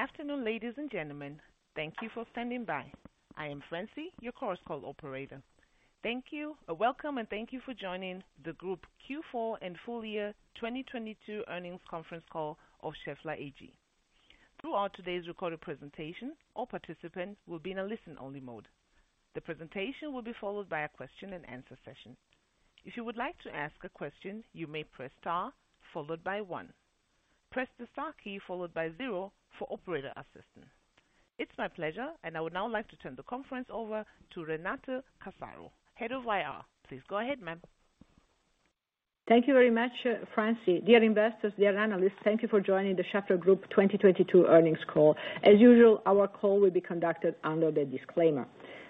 Afternoon, ladies and gentlemen. Thank you for standing by. I am Francie, your Chorus Call Operator. Thank you. Welcome and thank you for joining the Group Q4 and Full Year 2022 Earnings Conference Call of Schaeffler AG. Throughout today's recorded presentation, all participants will be in a listen-only mode. The presentation will be followed by a question-and-answer session. If you would like to ask a question, you may press star followed by one. Press the star key followed by zero for operator assistance. It's my pleasure. I would now like to turn the conference over to Renata Casaro, Head of IR. Please go ahead, ma'am. Thank you very much, Francie. Dear investors, dear analysts, thank you for joining the Schaeffler Group 2022 earnings call. As usual, our call will be conducted under the disclaimer.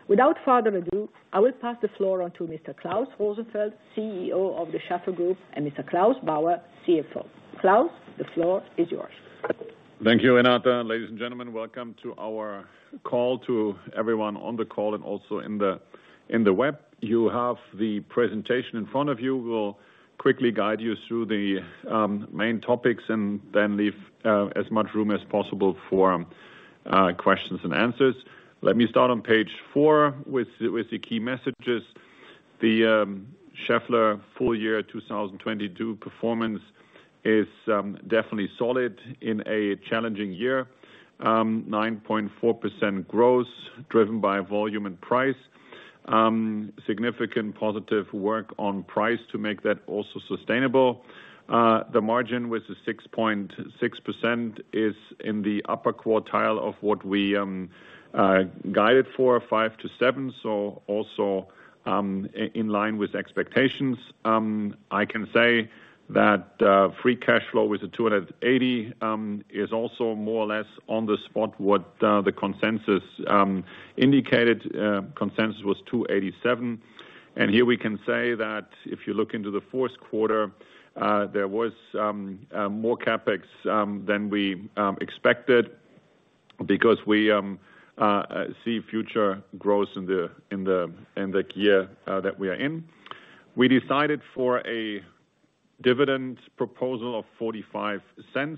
Without further ado, I will pass the floor on to Mr. Klaus Rosenfeld, CEO of the Schaeffler Group, and Mr. Claus Bauer, CFO. Klaus, the floor is yours. Thank you, Renata. Ladies and gentlemen, welcome to our call to everyone on the call and also in the web. You have the presentation in front of you. We will quickly guide you through the main topics and then leave as much room as possible for questions and answers. Let me start on page 4 with the key messages. The Schaeffler full year 2022 performance is definitely solid in a challenging year. 9.4% growth, driven by volume and price. Significant positive work on price to make that also sustainable. The margin, which is 6.6%, is in the upper quartile of what we guided for, 5%-7%, so also in line with expectations. I can say that free cash flow with 280 is also more or less on the spot what the consensus indicated. Consensus was 287. Here we can say that if you look into the fourth quarter, there was more CapEx than we expected because we see future growth in the year that we are in. We decided for a dividend proposal of 0.45.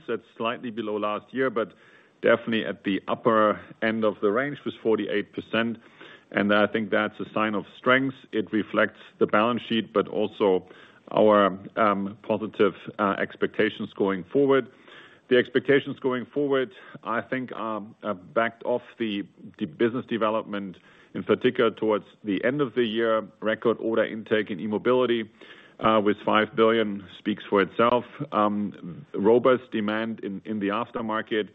That's slightly below last year, but definitely at the upper end of the range, was 48%. I think that's a sign of strength. It reflects the balance sheet, but also our positive expectations going forward. The expectations going forward, I think, are backed off the business development, in particular towards the end of the year. Record order intake in E-Mobility, with 5 billion speaks for itself. Robust demand in the after-market.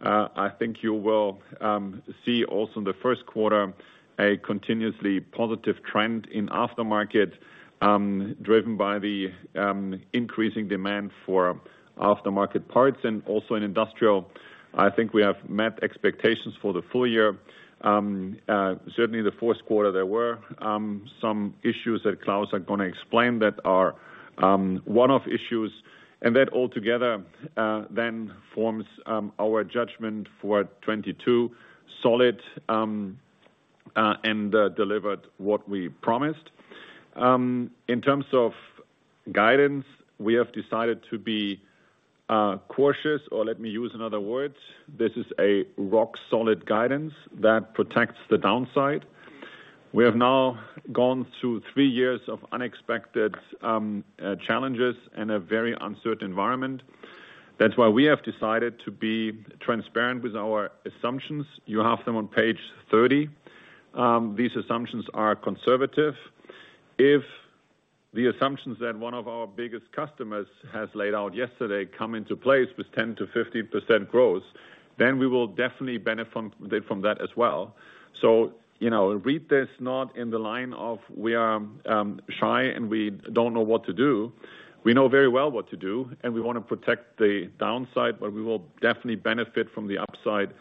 I think you will see also in the first quarter a continuously positive trend in after-market, driven by the increasing demand for after-market parts. Also in industrial, I think we have met expectations for the full year. Certainly the fourth quarter, there were some issues that Claus are gonna explain that are one-off issues. That all together then forms our judgment for 2022, solid, and delivered what we promised. In terms of guidance, we have decided to be cautious, or let me use another word. This is a rock-solid guidance that protects the downside. We have now gone through three years of unexpected challenges and a very uncertain environment. That's why we have decided to be transparent with our assumptions. You have them on page 30. These assumptions are conservative. If the assumptions that one of our biggest customers has laid out yesterday come into place with 10%-15% growth, we will definitely benefit from that as well. You know, read this not in the line of we are shy, and we don't know what to do. We know very well what to do, and we wanna protect the downside, but we will definitely benefit from the upside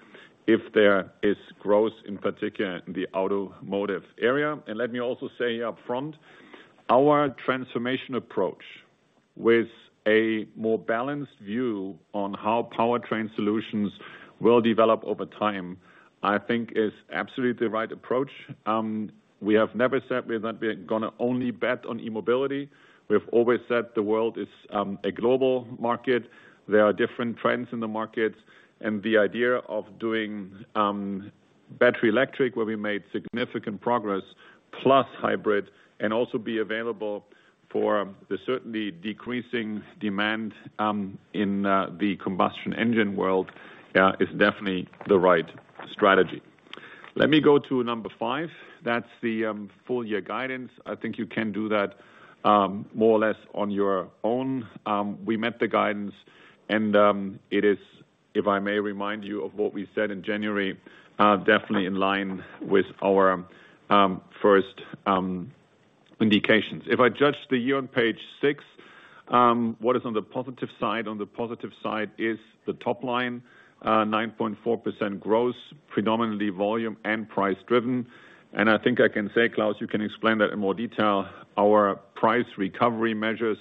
if there is growth, in particular in the automotive area. Let me also say upfront, our transformation approach with a more balanced view on how powertrain solutions will develop over time, I think is absolutely the right approach. We have never said we're not gonna only bet on e-mobility. We have always said the world is a global market. There are different trends in the markets. The idea of doing battery electric, where we made significant progress, plus hybrid, and also be available for the certainly decreasing demand in the combustion engine world, is definitely the right strategy. Let me go to number 5. That's the full year guidance. I think you can do that more or less on your own. We met the guidance. It is, if I may remind you of what we said in January, definitely in line with our first indications. If I judge the year on page 6, what is on the positive side, on the positive side is the top line, 9.4% growth, predominantly volume and price driven. I think I can say, Claus, you can explain that in more detail. Our price recovery measures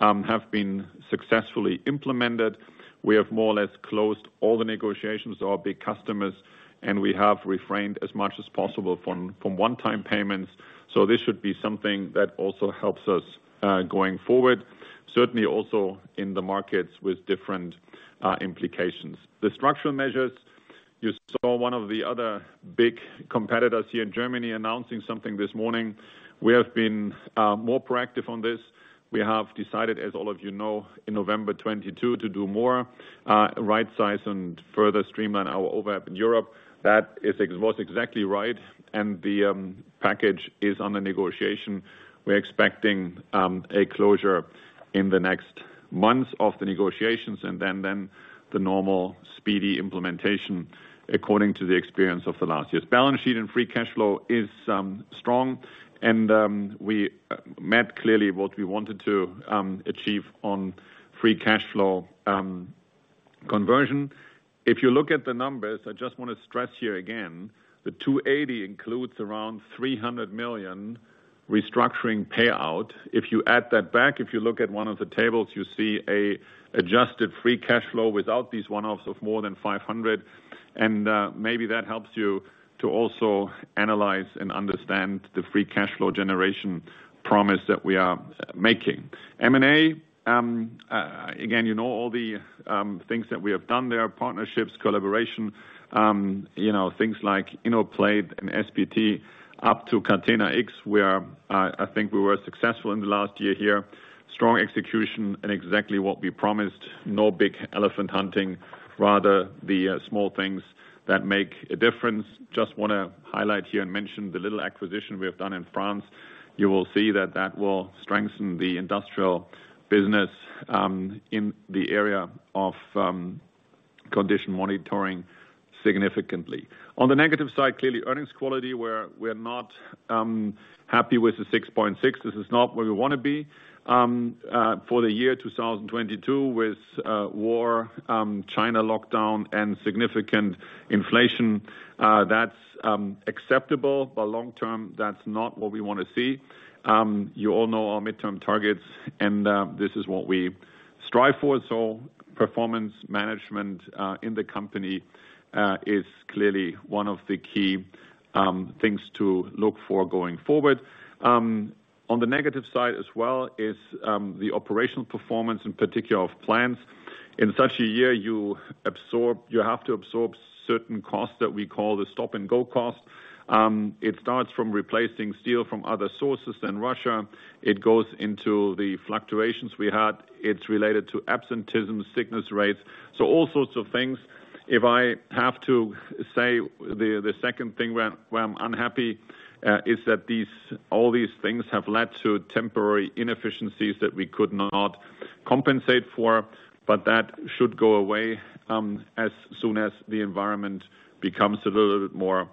have been successfully implemented. We have more or less closed all the negotiations with our big customers, and we have refrained as much as possible from one-time payments. This should be something that also helps us going forward, certainly also in the markets with different implications. The structural measures. You saw one of the other big competitors here in Germany announcing something this morning. We have been more proactive on this. We have decided, as all of you know, in November 22 to do more right size and further streamline our overlap in Europe. That was exactly right, and the package is under negotiation. We're expecting a closure in the next months of the negotiations, then the normal speedy implementation according to the experience of the last years. Balance sheet and free cashflow is strong and we met clearly what we wanted to achieve on free cashflow conversion. If you look at the numbers, I just wanna stress here again, the 280 includes around 300 million restructuring payout. If you add that back, if you look at one of the tables, you see a adjusted free cashflow without these one-offs of more than 500. Maybe that helps you to also analyze and understand the free cashflow generation promise that we are making. M&A again, you know all the things that we have done there, partnerships, collaboration, you know, things like Innoplate and SPT up to Catena-X. We are, I think we were successful in the last year here. Strong execution and exactly what we promised. No big elephant hunting, rather the small things that make a difference. Just wanna highlight here and mention the little acquisition we have done in France. You will see that that will strengthen the industrial business in the area of condition monitoring significantly. On the negative side, clearly, earnings quality, we're not happy with the 6.6%. This is not where we wanna be for the year 2022 with war, China lockdown, and significant inflation. That's acceptable, but long term, that's not what we wanna see. You all know our midterm targets and this is what we strive for. Performance management in the company is clearly one of the key things to look for going forward. On the negative side as well is the operational performance in particular of plants. In such a year, you have to absorb certain costs that we call the stop-and-go cost. It starts from replacing steel from other sources than Russia. It goes into the fluctuations we had. It's related to absenteeism, sickness rates, so all sorts of things. If I have to say the second thing where I'm, where I'm unhappy, is that these, all these things have led to temporary inefficiencies that we could not compensate for, but that should go away as soon as the environment becomes a little bit more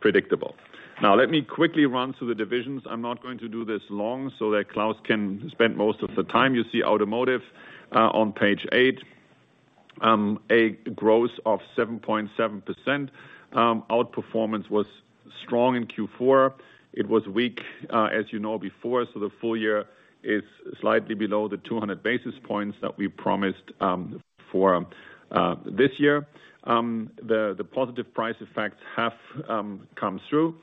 predictable. Let me quickly run through the divisions. I'm not going to do this long, so that Claus can spend most of the time. You see Automotive on page 8, a growth of 7.7%. Outperformance was strong in Q4. It was weak, as you know, before, so the full year is slightly below the 200 basis points that we promised for this year. The positive price effects have come through.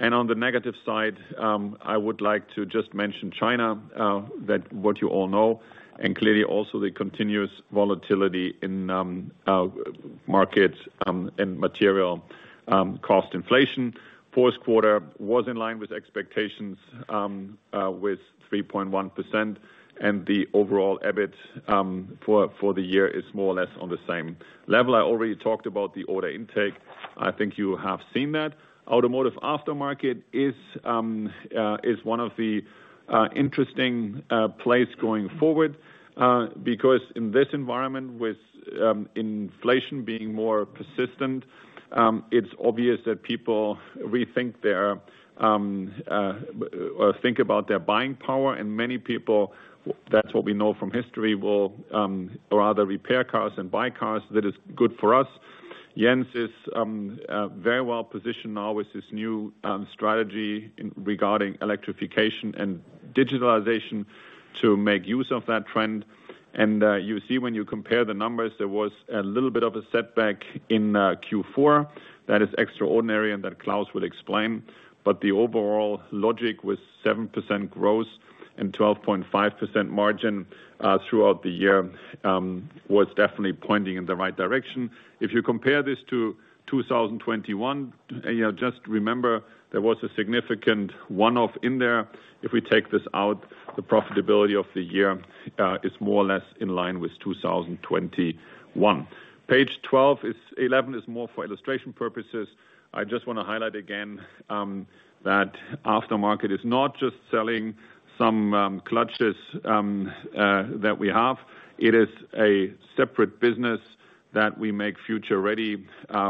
On the negative side, I would like to just mention China, that what you all know, and clearly also the continuous volatility in our market and material cost inflation. Fourth quarter was in line with expectations with 3.1%, and the overall EBIT for the year is more or less on the same level. I already talked about the order intake. I think you have seen that. Automotive aftermarket is one of the interesting plays going forward, because in this environment with inflation being more persistent, it's obvious that people rethink their or think about their buying power. Many people, that's what we know from history, will rather repair cars than buy cars. That is good for us. Jens is very well positioned now with this new strategy in regarding electrification and digitalization to make use of that trend. You see when you compare the numbers, there was a little bit of a setback in Q4. That is extraordinary, and that Claus will explain. The overall logic with 7% growth and 12.5% margin throughout the year was definitely pointing in the right direction. If you compare this to 2021, you know, just remember there was a significant one-off in there. If we take this out, the profitability of the year is more or less in line with 2021. Page 11 is more for illustration purposes. I just wanna highlight again that aftermarket is not just selling some clutches that we have. It is a separate business that we make future-ready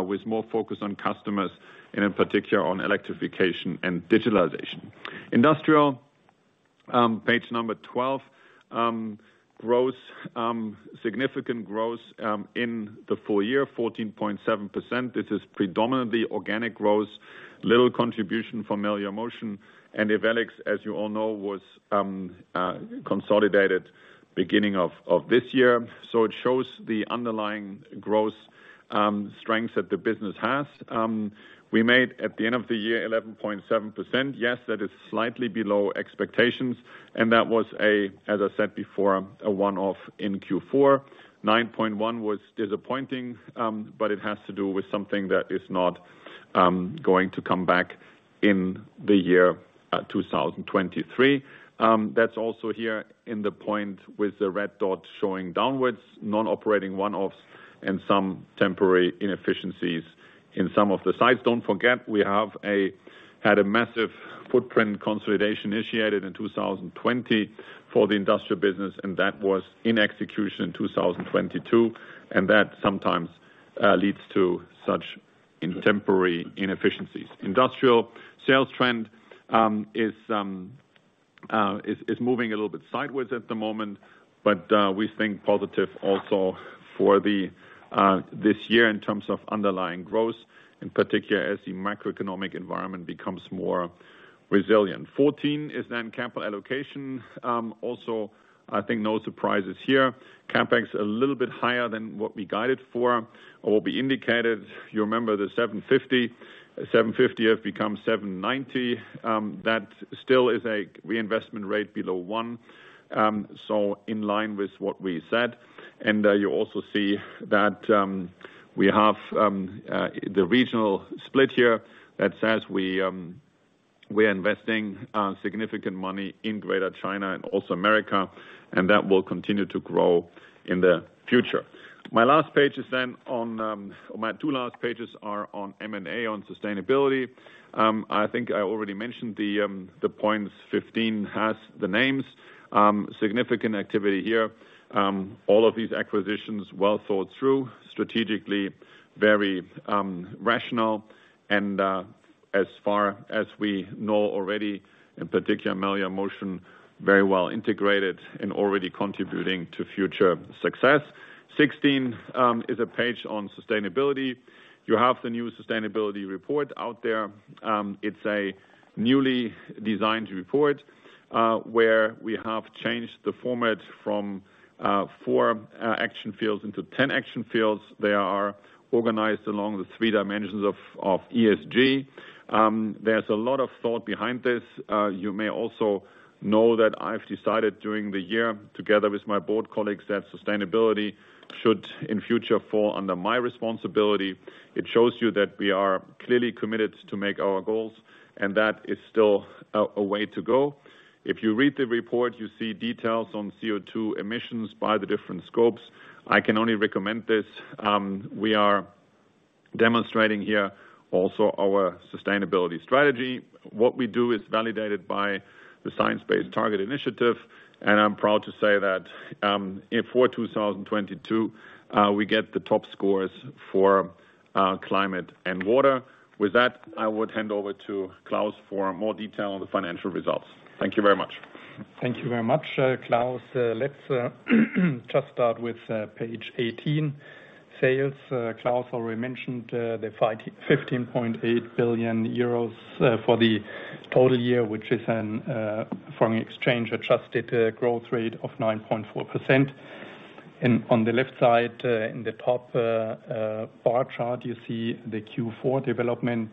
with more focus on customers and in particular on electrification and digitalization. Industrial, page number 12. Growth, significant growth in the full year, 14.7%. This is predominantly organic growth, little contribution from Melior Motion. Ewellix, as you all know, was consolidated beginning of this year. It shows the underlying growth strength that the business has. We made, at the end of the year, 11.7%. Yes, that is slightly below expectations, and that was a, as I said before, a one-off in Q4. 9.1% was disappointing, but it has to do with something that is not going to come back in the year 2023. That's also here in the point with the red dot showing downwards, non-operating one-offs and some temporary inefficiencies in some of the sites. Don't forget, we had a massive footprint consolidation initiated in 2020 for the industrial business, and that was in execution 2022. That sometimes leads to such temporary inefficiencies. Industrial sales trend is moving a little bit sideways at the moment, but we think positive also for this year in terms of underlying growth, in particular as the macroeconomic environment becomes more resilient. 14 is capital allocation. I think no surprises here. CapEx a little bit higher than what we guided for or we indicated. You remember the 750. 750 have become 790. That still is a reinvestment rate below 1, so in line with what we said. You also see that we have the regional split here that says we're investing significant money in Greater China and also America, and that will continue to grow in the future. My last page is then on, or my 2 last pages are on M&A, on sustainability. I think I already mentioned the points. 15 has the names. Significant activity here. All of these acquisitions well thought through, strategically very rational and, as far as we know already, in particular Melior Motion, very well integrated and already contributing to future success. 16 is a page on sustainability. You have the new sustainability report out there. It's a newly designed report, where we have changed the format from 4 action fields into 10 action fields. They are organized along the 3 dimensions of ESG. There's a lot of thought behind this. You may also know that I've decided during the year, together with my board colleagues, that sustainability should, in future, fall under my responsibility. It shows you that we are clearly committed to make our goals, and that is still a way to go. If you read the report, you see details on CO2 emissions by the different scopes. I can only recommend this. We are demonstrating here also our sustainability strategy. What we do is validated by the Science Based Targets Initiative, and I'm proud to say that for 2022, we get the top scores for climate and water. With that, I would hand over to Claus for more detail on the financial results. Thank you very much. Thank you very much, Klaus. Let's just start with page 18, sales. Klaus already mentioned 15.8 billion euros for the total year, which is an foreign exchange-adjusted growth rate of 9.4%. On the left side, in the top bar chart, you see the Q4 development.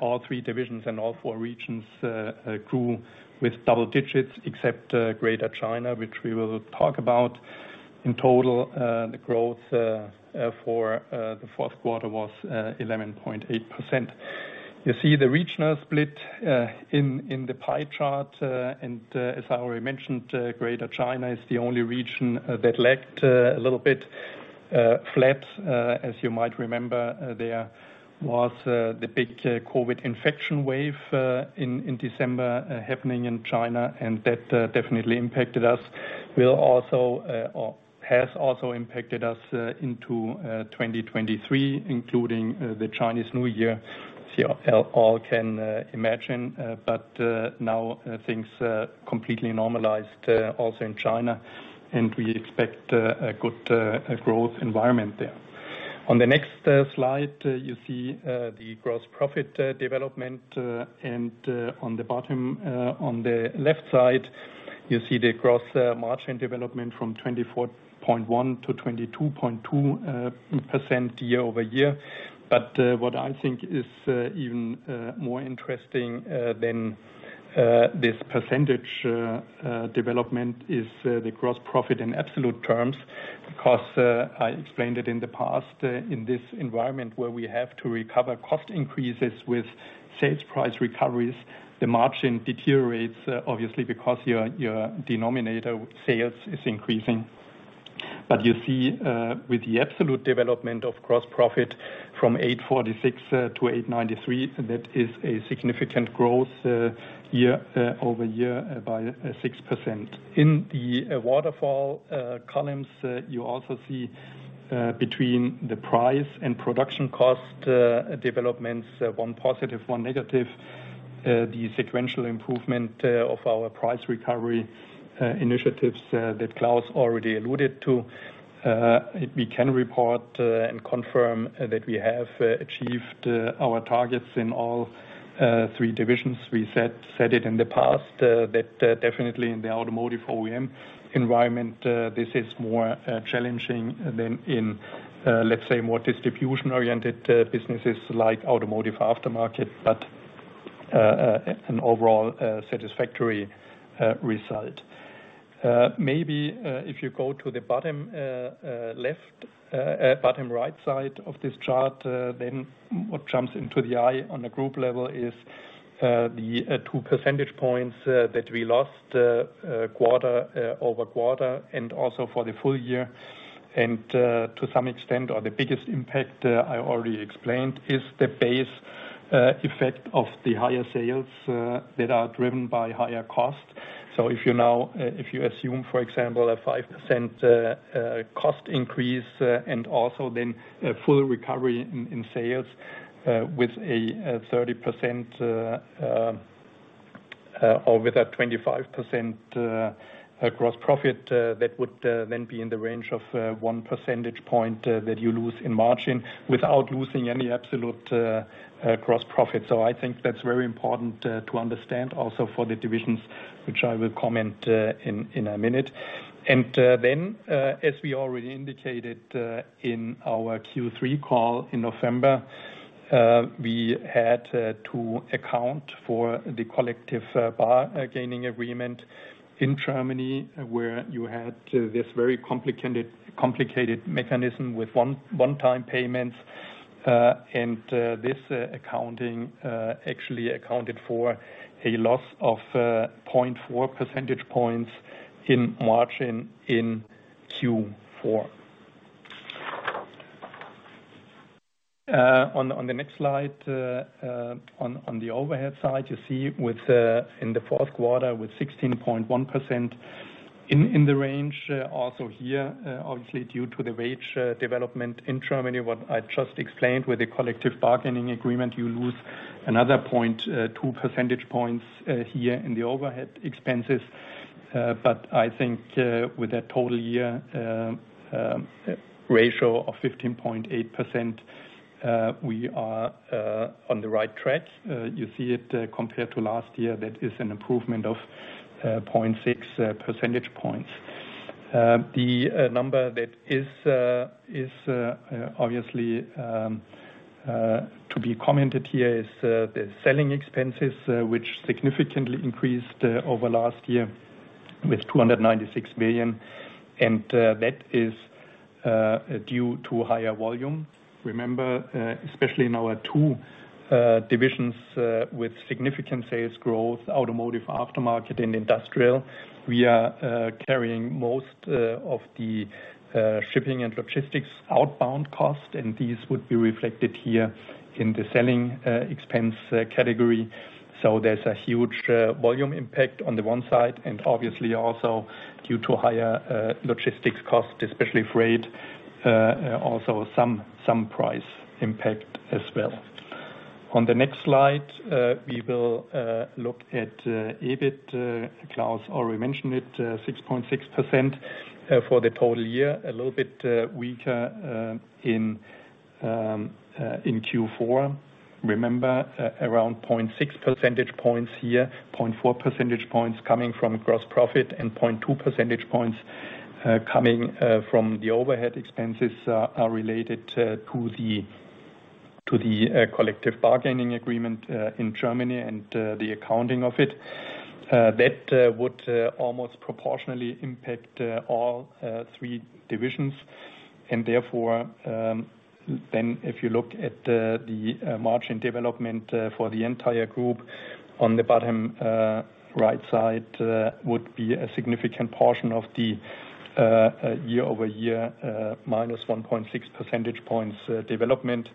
All three divisions and all four regions grew with double digits except Greater China, which we will talk about. In total, the growth for the fourth quarter was 11.8%. You see the regional split in the pie chart, as I already mentioned, Greater China is the only region that lacked a little bit flat. As you might remember, there was the big COVID infection wave in December happening in China, and that definitely impacted us. Will also or has also impacted us into 2023, including the Chinese New Year, as you all can imagine. Now things are completely normalized also in China, and we expect a good growth environment there. On the next slide, you see the gross profit development, and on the bottom on the left side, you see the gross margin development from 24.1% to 22.2% year-over-year. What I think is even more interesting than this percentage development is the gross profit in absolute terms. Of course, I explained it in the past, in this environment where we have to recover cost increases with sales price recoveries, the margin deteriorates, obviously because your denominator sales is increasing. You see, with the absolute development of gross profit from 846 to 893, that is a significant growth year-over-year by 6%. In the waterfall columns, you also see between the price and production cost developments, one positive, one negative, the sequential improvement of our price recovery initiatives that Klaus already alluded to. We can report and confirm that we have achieved our targets in all three divisions. We said it in the past that definitely in the automotive OEM environment, this is more challenging than in, let's say, more distribution-oriented businesses like automotive aftermarket, but an overall satisfactory result. Maybe, if you go to the bottom left, bottom right side of this chart, what jumps into the eye on a group level is the 2 percentage points that we lost quarter-over-quarter and also for the full year. To some extent, or the biggest impact I already explained, is the base effect of the higher sales that are driven by higher costs. If you now, if you assume, for example, a 5% cost increase, and also then a full recovery in sales, with a 30% or with a 25% gross profit, that would then be in the range of 1 percentage point that you lose in margin without losing any absolute gross profit. I think that's very important to understand also for the divisions, which I will comment in a minute. Then as we already indicated in our Q3 call in November, we had to account for the collective bargaining agreement in Germany, where you had this very complicated mechanism with one-time payments. This accounting actually accounted for a loss of 0.4 percentage points in margin in Q4. On the next slide, on the overhead side, you see with in the fourth quarter with 16.1% in the range. Also here, obviously due to the wage development in Germany, what I just explained, with the collective bargaining agreement, you lose another 0.2 percentage points here in the overhead expenses. I think with a total year ratio of 15.8%, we are on the right track. You see it compared to last year, that is an improvement of 0.6 percentage points. The number that is obviously to be commented here is the selling expenses which significantly increased over last year with 296 million. That is due to higher volume. Remember, especially in our two divisions with significant sales growth, Automotive Aftermarket and Industrial, we are carrying most of the shipping and logistics outbound cost, and these would be reflected here in the selling expense category. There's a huge volume impact on the one side, and obviously also due to higher logistics costs, especially freight, also some price impact as well. On the next slide, we will look at EBIT. Klaus already mentioned it, 6.6% for the total year, a little bit weaker in Q4. Remember, around 0.6 percentage points here, 0.4 percentage points coming from gross profit and 0.2 percentage points coming from the overhead expenses are related to the collective bargaining agreement in Germany and the accounting of it. That would almost proportionally impact all three divisions. Therefore, if you look at the margin development for the entire group on the bottom right side, would be a significant portion of the year-over-year -1.6 percentage points development.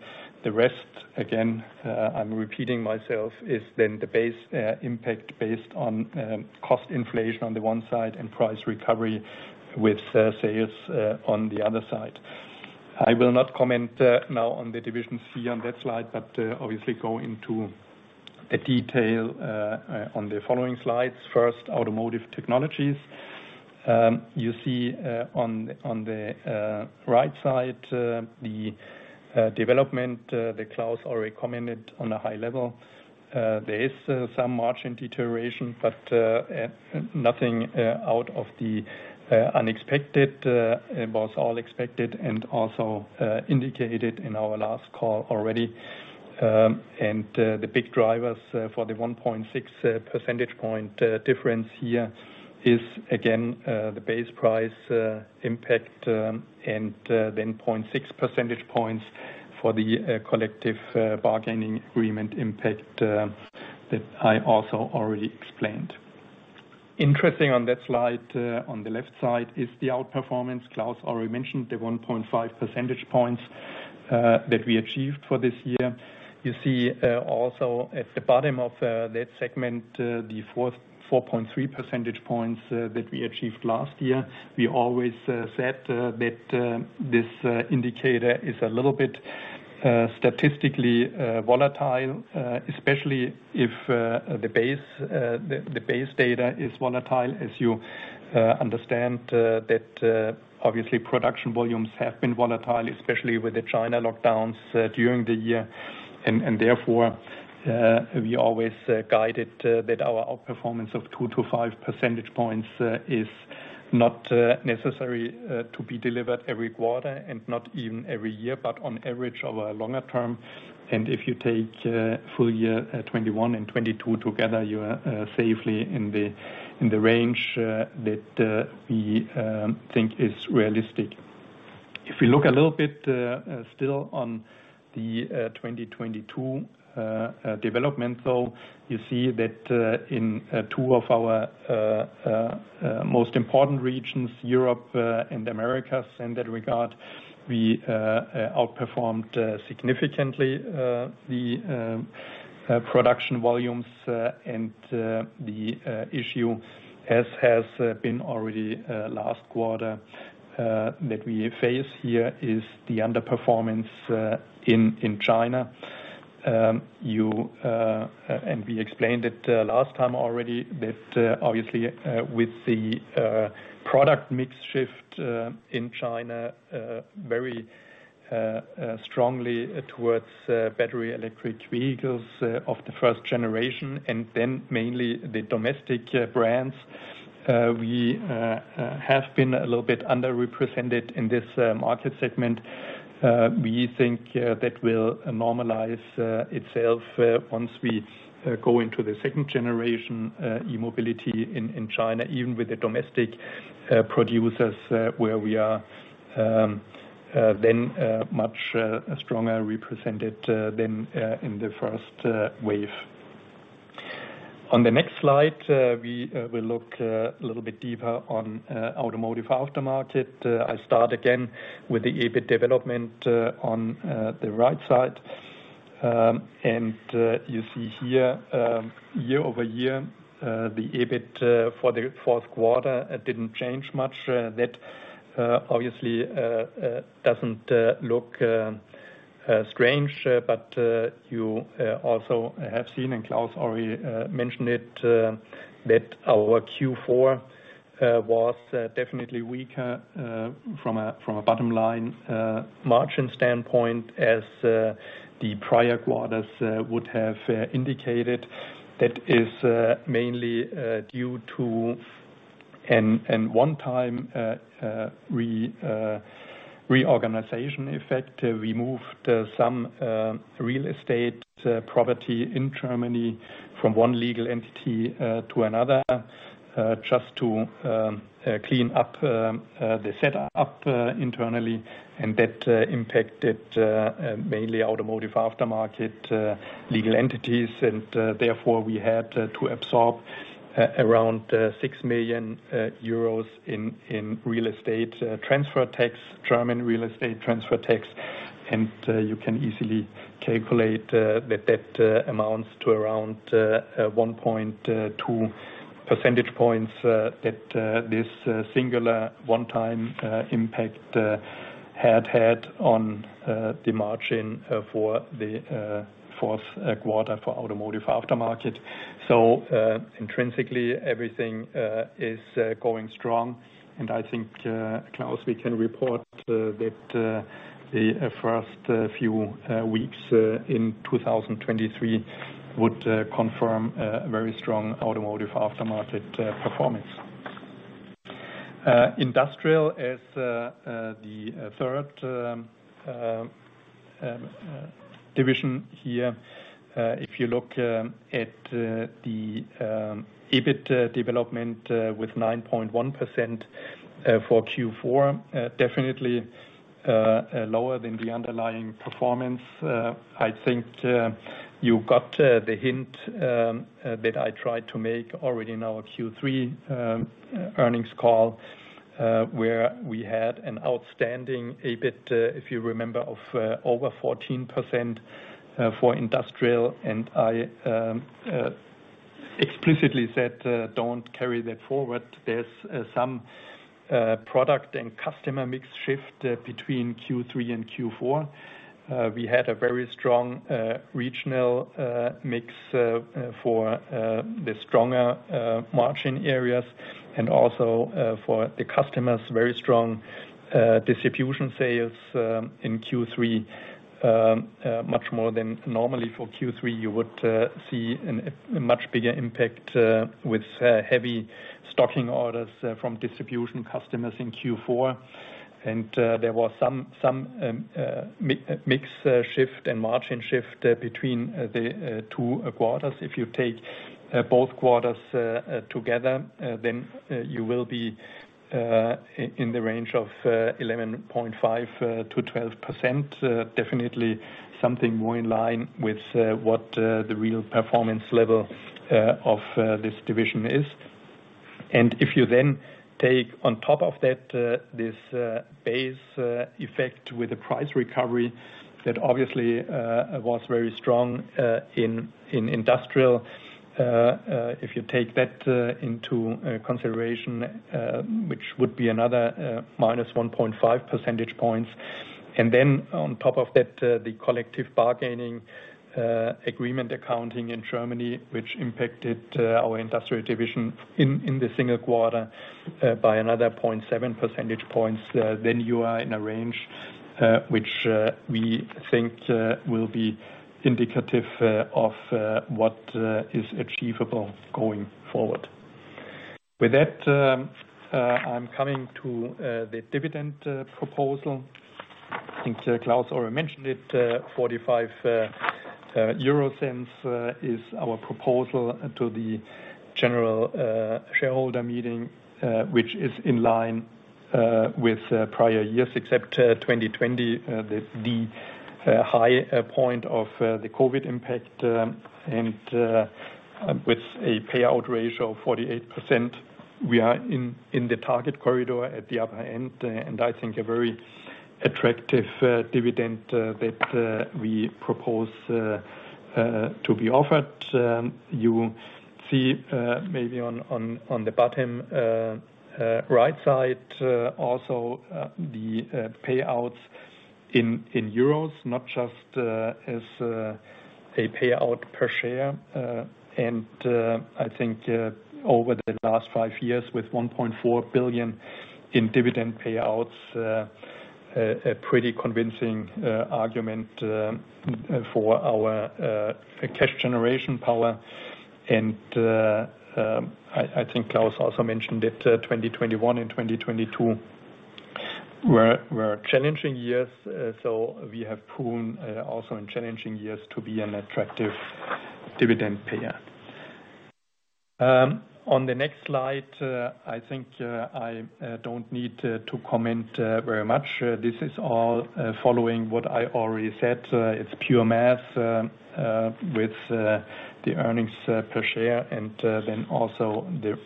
The rest, again, I'm repeating myself, is then the base impact based on cost inflation on the one side and price recovery with sales on the other side. I will not comment now on the division C on that slide, but obviously go into a detail, on the following slides. First, Automotive Technologies. You see on the right side, the development that Klaus already commented on a high level. There is some margin deterioration, but nothing out of the unexpected. It was all expected and also indicated in our last call already. The big drivers for the 1.6 percentage point difference here is again the base price impact, and then 0.6 percentage points for the collective bargaining agreement impact that I also already explained. Interesting on that slide, on the left side is the outperformance. Klaus already mentioned the 1.5 percentage points that we achieved for this year. You see also at the bottom of that segment, the 4.3 percentage points that we achieved last year. We always said that this indicator is a little bit statistically volatile, especially if the base data is volatile. As you understand that obviously production volumes have been volatile, especially with the China lockdowns during the year. Therefore, we always guided that our outperformance of 2-5 percentage points is not necessary to be delivered every quarter and not even every year, but on average over a longer term. If you take full year 2021 and 2022 together, you are safely in the range that we think is realistic. If you look a little bit still on the 2022 development though, you see that in two of our most important regions, Europe, and Americas in that regard, we outperformed significantly the production volumes, and the issue, as has been already last quarter, that we face here is the underperformance in China. We explained it last time already that obviously with the product mix shift in China, very strongly towards battery electric vehicles, of the first generation and then mainly the domestic brands, we have been a little bit underrepresented in this market segment. We think that will normalize itself once we go into the second generation E-Mobility in China, even with the domestic producers, where we are then much stronger represented than in the first wave. On the next slide, we will look a little bit deeper on automotive aftermarket. I'll start again with the EBIT development on the right side. You see here year-over-year, the EBIT for the fourth quarter, it didn't change much. That obviously doesn't look strange, but you also have seen, and Klaus already mentioned it, that our Q4 was definitely weaker from a from a bottom line margin standpoint as the prior quarters would have indicated. That is mainly due to a one-time reorganization effect. We moved some real estate property in Germany from one legal entity to another just to clean up the setup internally, and that impacted mainly automotive aftermarket legal entities. Therefore, we had to absorb around 6 million euros in real estate transfer tax, German real estate transfer tax. You can easily calculate that amounts to around 1.2 percentage points that this singular one time impact had on the margin for the fourth quarter for Automotive Aftermarket. Intrinsically, everything is going strong, and I think Klaus, we can report that the first few weeks in 2023 would confirm a very strong Automotive Aftermarket performance. Industrial is the third division here. If you look at the EBIT development with 9.1% for Q4, definitely lower than the underlying performance. You got the hint that I tried to make already in our Q3 Earnings Call where we had an outstanding EBIT, if you remember, of over 14% for industrial. And I explicitly said, "Don't carry that forward." There's some product and customer mix shift between Q3 and Q4. We had a very strong regional mix for the stronger margin areas and also for the customers, very strong distribution sales in Q3 much more than normally for Q3. You would see an, a much bigger impact with heavy stocking orders from distribution customers in Q4. And there was some mix shift and margin shift between the two quarters. If you take, both quarters, together, then, you will be, in the range of 11.5%-12%. Definitely something more in line with what the real performance level of this division is. If you then take on top of that, this base effect with the price recovery that obviously was very strong in industrial, if you take that into consideration, which would be another -1.5 percentage points, and then on top of that, the collective bargaining agreement accounting in Germany, which impacted our industrial division in the single quarter by another 0.7 percentage points, then you are in a range which we think will be indicative of what is achievable going forward. With that, I'm coming to the dividend proposal. I think, Klaus already mentioned it, 0.45 is our proposal to the general shareholder meeting, which is in line with prior years, except 2020. The high point of the COVID impact, and with a payout ratio of 48%, we are in the target corridor at the upper end, and I think a very attractive dividend that we propose to be offered. You see, maybe on the bottom right side, also the payouts in euros, not just as a payout per share. I think over the last five years, with 1.4 billion in dividend payouts, a pretty convincing argument for our cash generation power. I think Klaus also mentioned it, 2021 and 2022 were challenging years, so we have proven also in challenging years to be an attractive dividend payer. On the next slide, I think I don't need to comment very much. This is all following what I already said. It's pure math with the earnings per share and then also the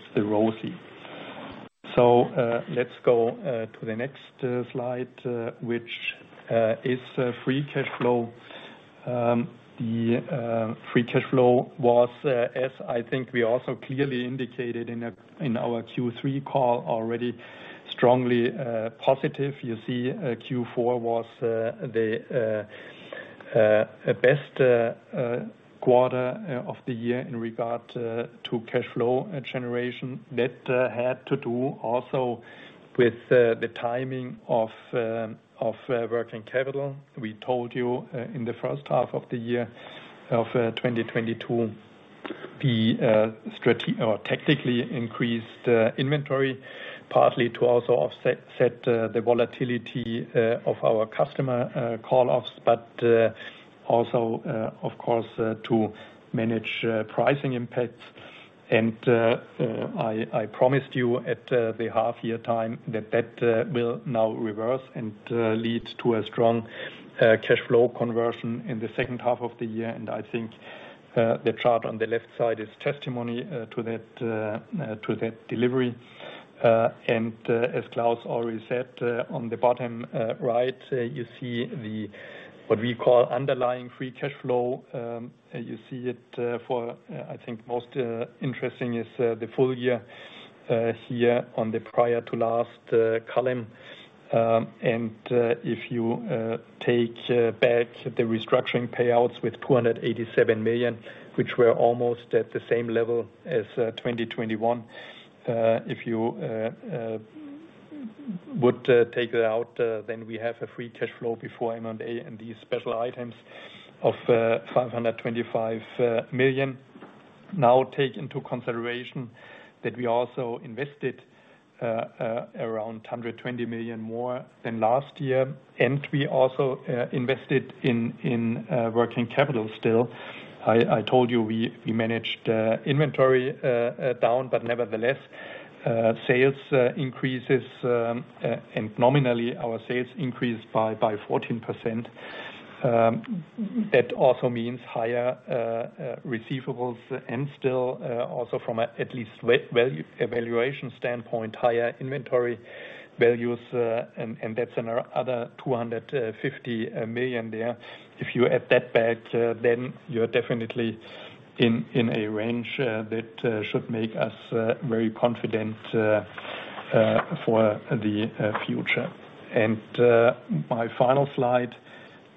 ROCE. Let's go to the next slide which is free cashflow. The free cash flow was, as I think we also clearly indicated in our Q3 call already, strongly positive. You see, Q4 was the best quarter of the year in regard to cash flow generation. That had to do also with the timing of working capital. We told you in the first half of the year of 2022, we tactically increased inventory partly to also offset the volatility of our customer call-offs, but also, of course, to manage pricing impacts. I promised you at the half-year time that will now reverse and lead to a strong cash flow conversion in the second half of the year, and I think the chart on the left side is testimony to that delivery. As Klaus already said, on the bottom right, you see the, what we call underlying free cash flow. You see it for I think most interesting is the full year here on the prior to last column. If you take back the restructuring payouts with 287 million, which were almost at the same level as 2021, if you would take that out, then we have a free cash flow before M&A and these special items of 525 million. Take into consideration that we also invested around 120 million more than last year, and we also invested in working capital still. I told you, we managed inventory down, but nevertheless, sales increases, nominally, our sales increased by 14%. That also means higher receivables and still also from a at least value, evaluation standpoint, higher inventory values, and that's another 250 million there. If you add that back, then you're definitely in a range that should make us very confident for the future. My final slide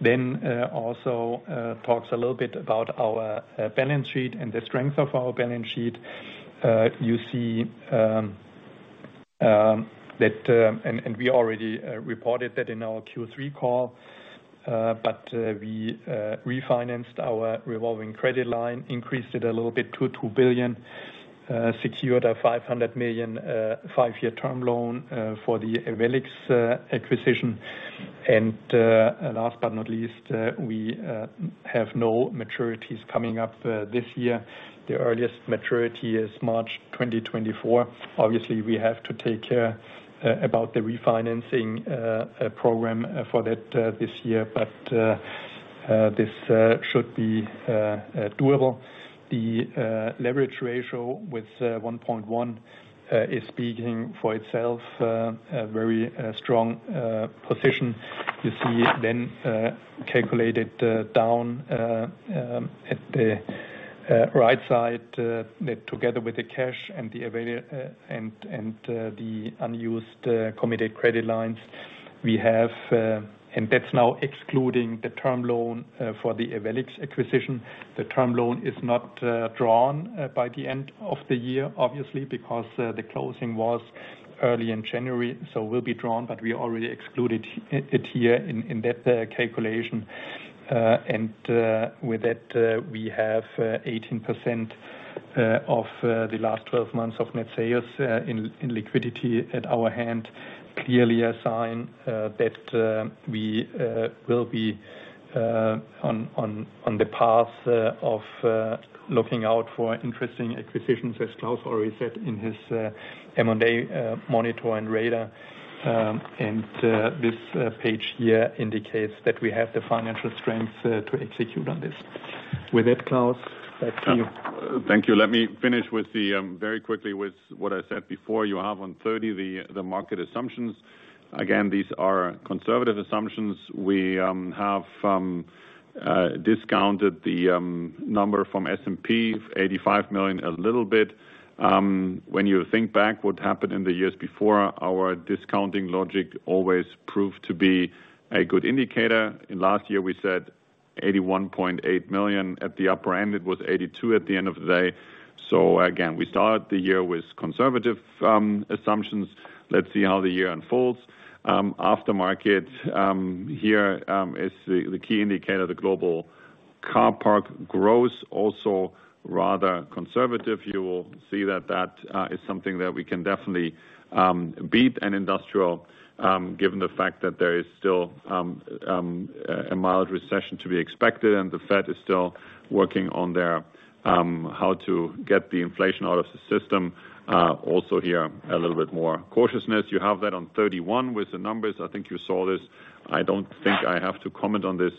then also talks a little bit about our balance sheet and the strength of our balance sheet. You see that and we already reported that in our Q3 call, we refinanced our revolving credit line, increased it a little bit to 2 billion, secured a 500 million 5-year Term Loan for the Ewellix acquisition. Last but not least, we have no maturities coming up this year. The earliest maturity is March 2024. Obviously, we have to take care about the refinancing program for that this year. This should be doable. The leverage ratio with 1.1 is speaking for itself, a very strong position. You see then calculated down at the right side that together with the cash and the unused committed credit lines, we have, and that's now excluding the Term Loan for the Ewellix acquisition. The term loan is not drawn by the end of the year, obviously, because the closing was early in January, so will be drawn, but we already excluded it here in that calculation. With that, we have 18% of the last 12 months of net sales in liquidity at our hand. Clearly a sign that we will be on the path of looking out for interesting acquisitions as Klaus already said in his M&A monitor and radar. This page here indicates that we have the financial strength to execute on this. With that, Klaus, back to you. Thank you. Let me finish with the very quickly with what I said before. You have on 30 the market assumptions. Again, these are conservative assumptions. We have discounted the number from S&P, 85 million a little bit. When you think back what happened in the years before, our discounting logic always proved to be a good indicator. Last year we said 81.8 million. At the upper end, it was 82 million at the end of the day. Again, we started the year with conservative assumptions. Let's see how the year unfolds. After market here is the key indicator, the global car park growth, also rather conservative. You will see that that is something that we can definitely beat in industrial, given the fact that there is still a mild recession to be expected and the Fed is still working on their how to get the inflation out of the system. Also here, a little bit more cautiousness. You have that on 31 with the numbers. I think you saw this. I don't think I have to comment on this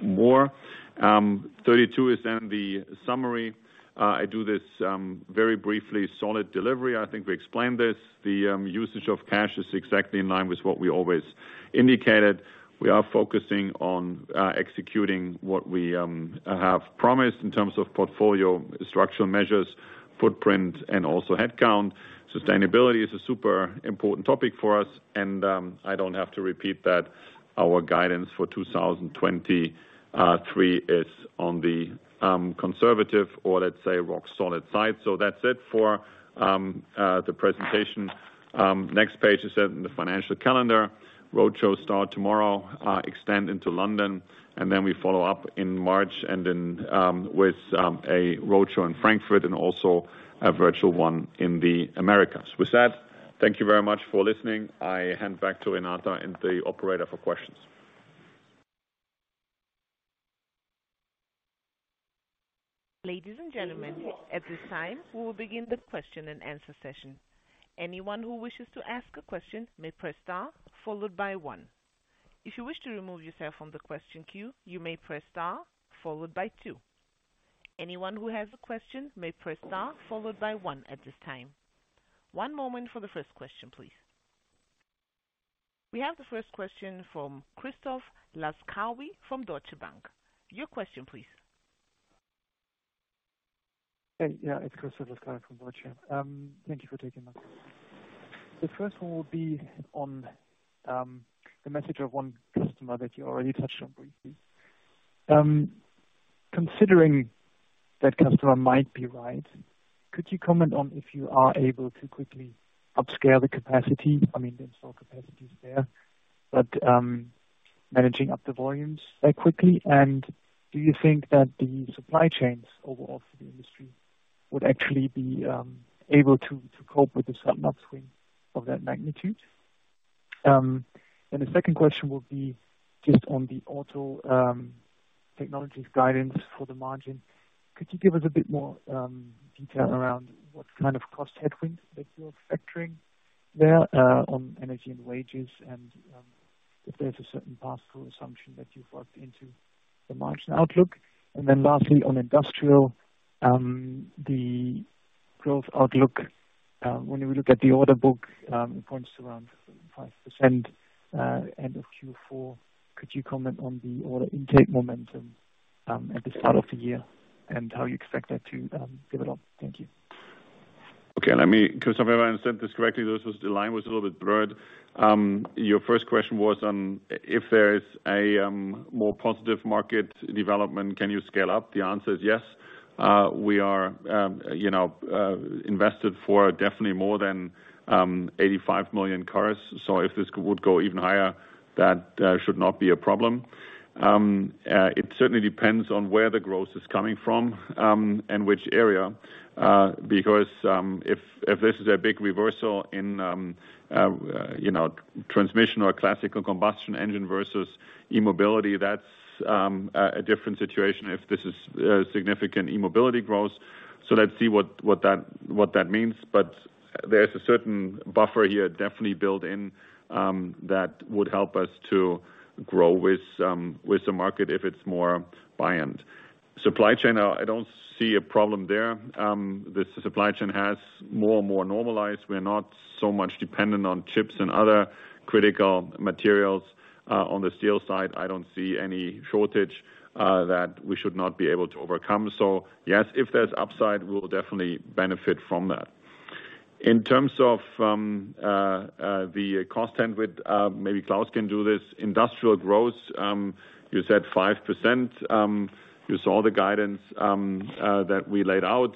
more. 32 is then the summary. I do this very briefly. Solid delivery, I think we explained this. The usage of cash is exactly in line with what we always indicated. We are focusing on executing what we have promised in terms of portfolio structural measures, footprint, and also head count. Sustainability is a super important topic for us. I don't have to repeat that our guidance for 2023 is on the conservative or let's say, rock solid side. That's it for the presentation. Next page is the financial calendar. Roadshows start tomorrow, extend into London, and we follow up in March with a roadshow in Frankfurt and also a virtual one in the Americas. With that, thank you very much for listening. I hand back to Renata and the operator for questions. Ladies and gentlemen, at this time, we will begin the question and answer session. Anyone who wishes to ask a question may press star followed by one. If you wish to remove yourself from the question queue, you may press star followed by two. Anyone who has a question may press star followed by one at this time. One moment for the first question, please. We have the first question from Christoph Laskawi from Deutsche Bank. Your question please. Hey. It's Christoph Laskawi from Deutsche. Thank you for taking this. The first one will be on the message of one customer that you already touched on briefly. Considering that customer might be right, could you comment on if you are able to quickly upscale the capacity? I mean, the install capacity is there, but managing up the volumes that quickly, and do you think that the supply chains overall for the industry would actually be able to cope with the sudden upswing of that magnitude? The second question would be just on the Automotive Technologies guidance for the margin. Could you give us a bit more detail around what kind of cost headwinds that you're factoring there on energy and wages and if there's a certain possible assumption that you've worked into the margin outlook? Lastly, on industrial, the growth outlook, when we look at the order book, it points to around 5% end of Q4. Could you comment on the order intake momentum at the start of the year and how you expect that to build up? Thank you. Okay. Let me Christoph, if I understand this correctly, this was the line was a little bit blurred. Your first question was on if there is a more positive market development, can you scale up? The answer is yes. We are, you know, invested for definitely more than 85 million cars. If this would go even higher, that should not be a problem. It certainly depends on where the growth is coming from, and which area, because if this is a big reversal in, you know, transmission or classical combustion engine versus E-Mobility, that's a different situation if this is significant E-Mobility growth. Let's see what that means. There's a certain buffer here definitely built in that would help us to grow with the market if it's more buy-in. Supply chain, I don't see a problem there. The supply chain has more and more normalized. We're not so much dependent on chips and other critical materials. On the steel side, I don't see any shortage that we should not be able to overcome. Yes, if there's upside, we'll definitely benefit from that. In terms of the cost end with maybe Claus can do this, industrial growth, you said 5%. You saw the guidance that we laid out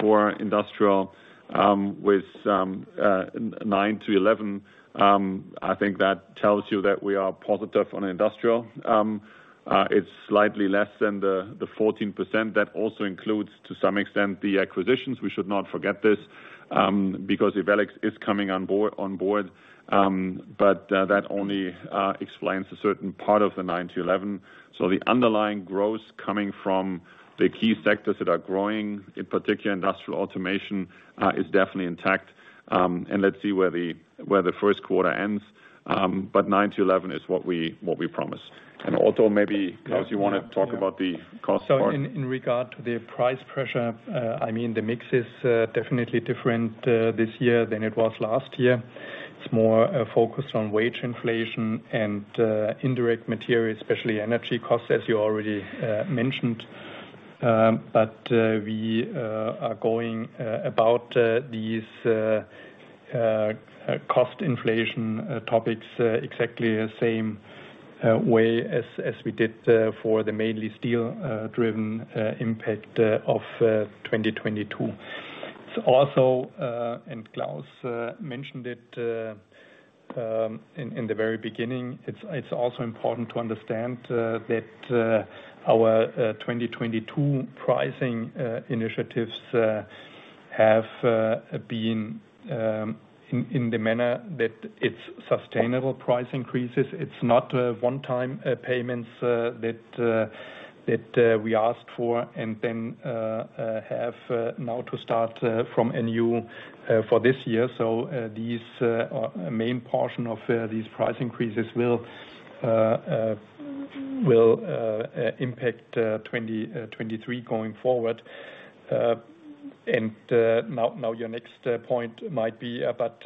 for industrial with some 9-11. I think that tells you that we are positive on industrial. It's slightly less than the 14%. That also includes, to some extent, the acquisitions. We should not forget this, because Ewellix is coming on board. That only explains a certain part of the 9-11. The underlying growth coming from the key sectors that are growing, in particular industrial automation, is definitely intact. Let's see where the first quarter ends. 9-11 is what we, what we promise. Also maybe, Claus, you wanna talk about the cost part? In regard to the price pressure, I mean, the mix is definitely different this year than it was last year. It's more focused on wage inflation and indirect materials, especially energy costs, as you already mentioned. We are going about these cost inflation topics exactly the same way as we did for the mainly steel driven impact of 2022. It's also, Klaus mentioned it in the very beginning, it's also important to understand that our 2022 pricing initiatives have been in the manner that it's sustainable price increases. It's not, one time, payments, that we asked for and then, have, now to start, from a new, for this year. These main portion of these price increases will impact 2023 going forward. Now your next point might be about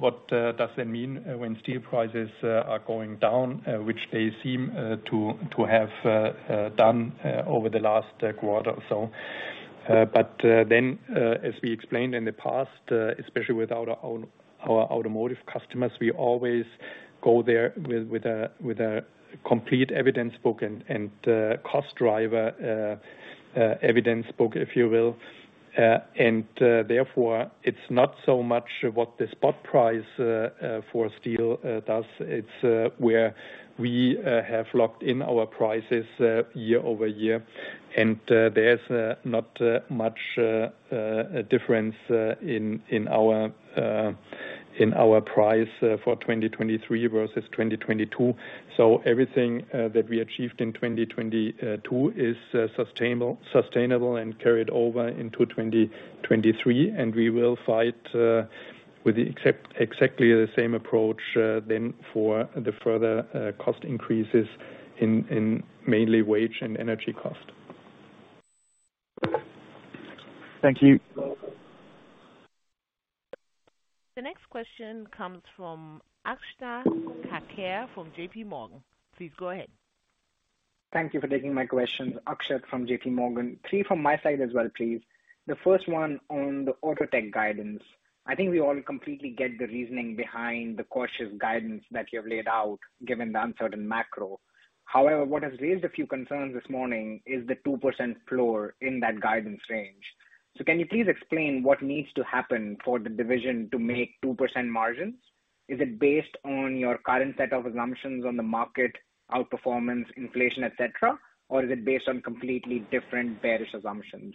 what does it mean when steel prices are going down, which they seem to have done over the last quarter or so. Then, as we explained in the past, especially with our automotive customers, we always go there with a complete evidence book and cost driver evidence book, if you will. Therefore, it's not so much what the spot price for steel does. It's where we have locked in our prices year-over-year. There's not much difference in our in our price for 2023 versus 2022. Everything that we achieved in 2022 is sustainable and carried over into 2023. We will fight with exactly the same approach then for the further cost increases in mainly wage and energy cost. Thank you. The next question comes from Akshat Kacker from JPMorgan. Please go ahead. Thank you for taking my question. Akshat from JPMorgan. Three from my side as well, please. The first one on the autotech guidance. I think we all completely get the reasoning behind the cautious guidance that you have laid out, given the uncertain macro. However, what has raised a few concerns this morning is the 2% floor in that guidance range. Can you please explain what needs to happen for the division to make 2% margins? Is it based on your current set of assumptions on the market outperformance, inflation, et cetera? Or is it based on completely different bearish assumptions?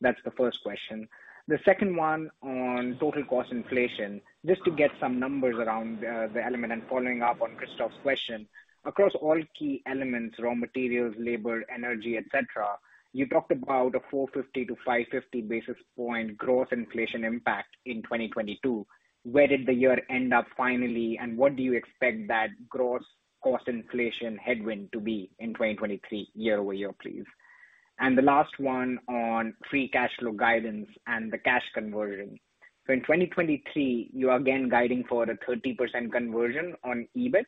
That's the first question. The second one on total cost inflation. Just to get some numbers around the element and following up on Christoph's question. Across all key elements, raw materials, labor, energy, et cetera, you talked about a 450-550 basis point gross inflation impact in 2022. Where did the year end up finally, and what do you expect that gross cost inflation headwind to be in 2023 year-over-year, please? The last one on free cash flow guidance and the cash conversion. In 2023, you are again guiding for the 30% conversion on EBIT.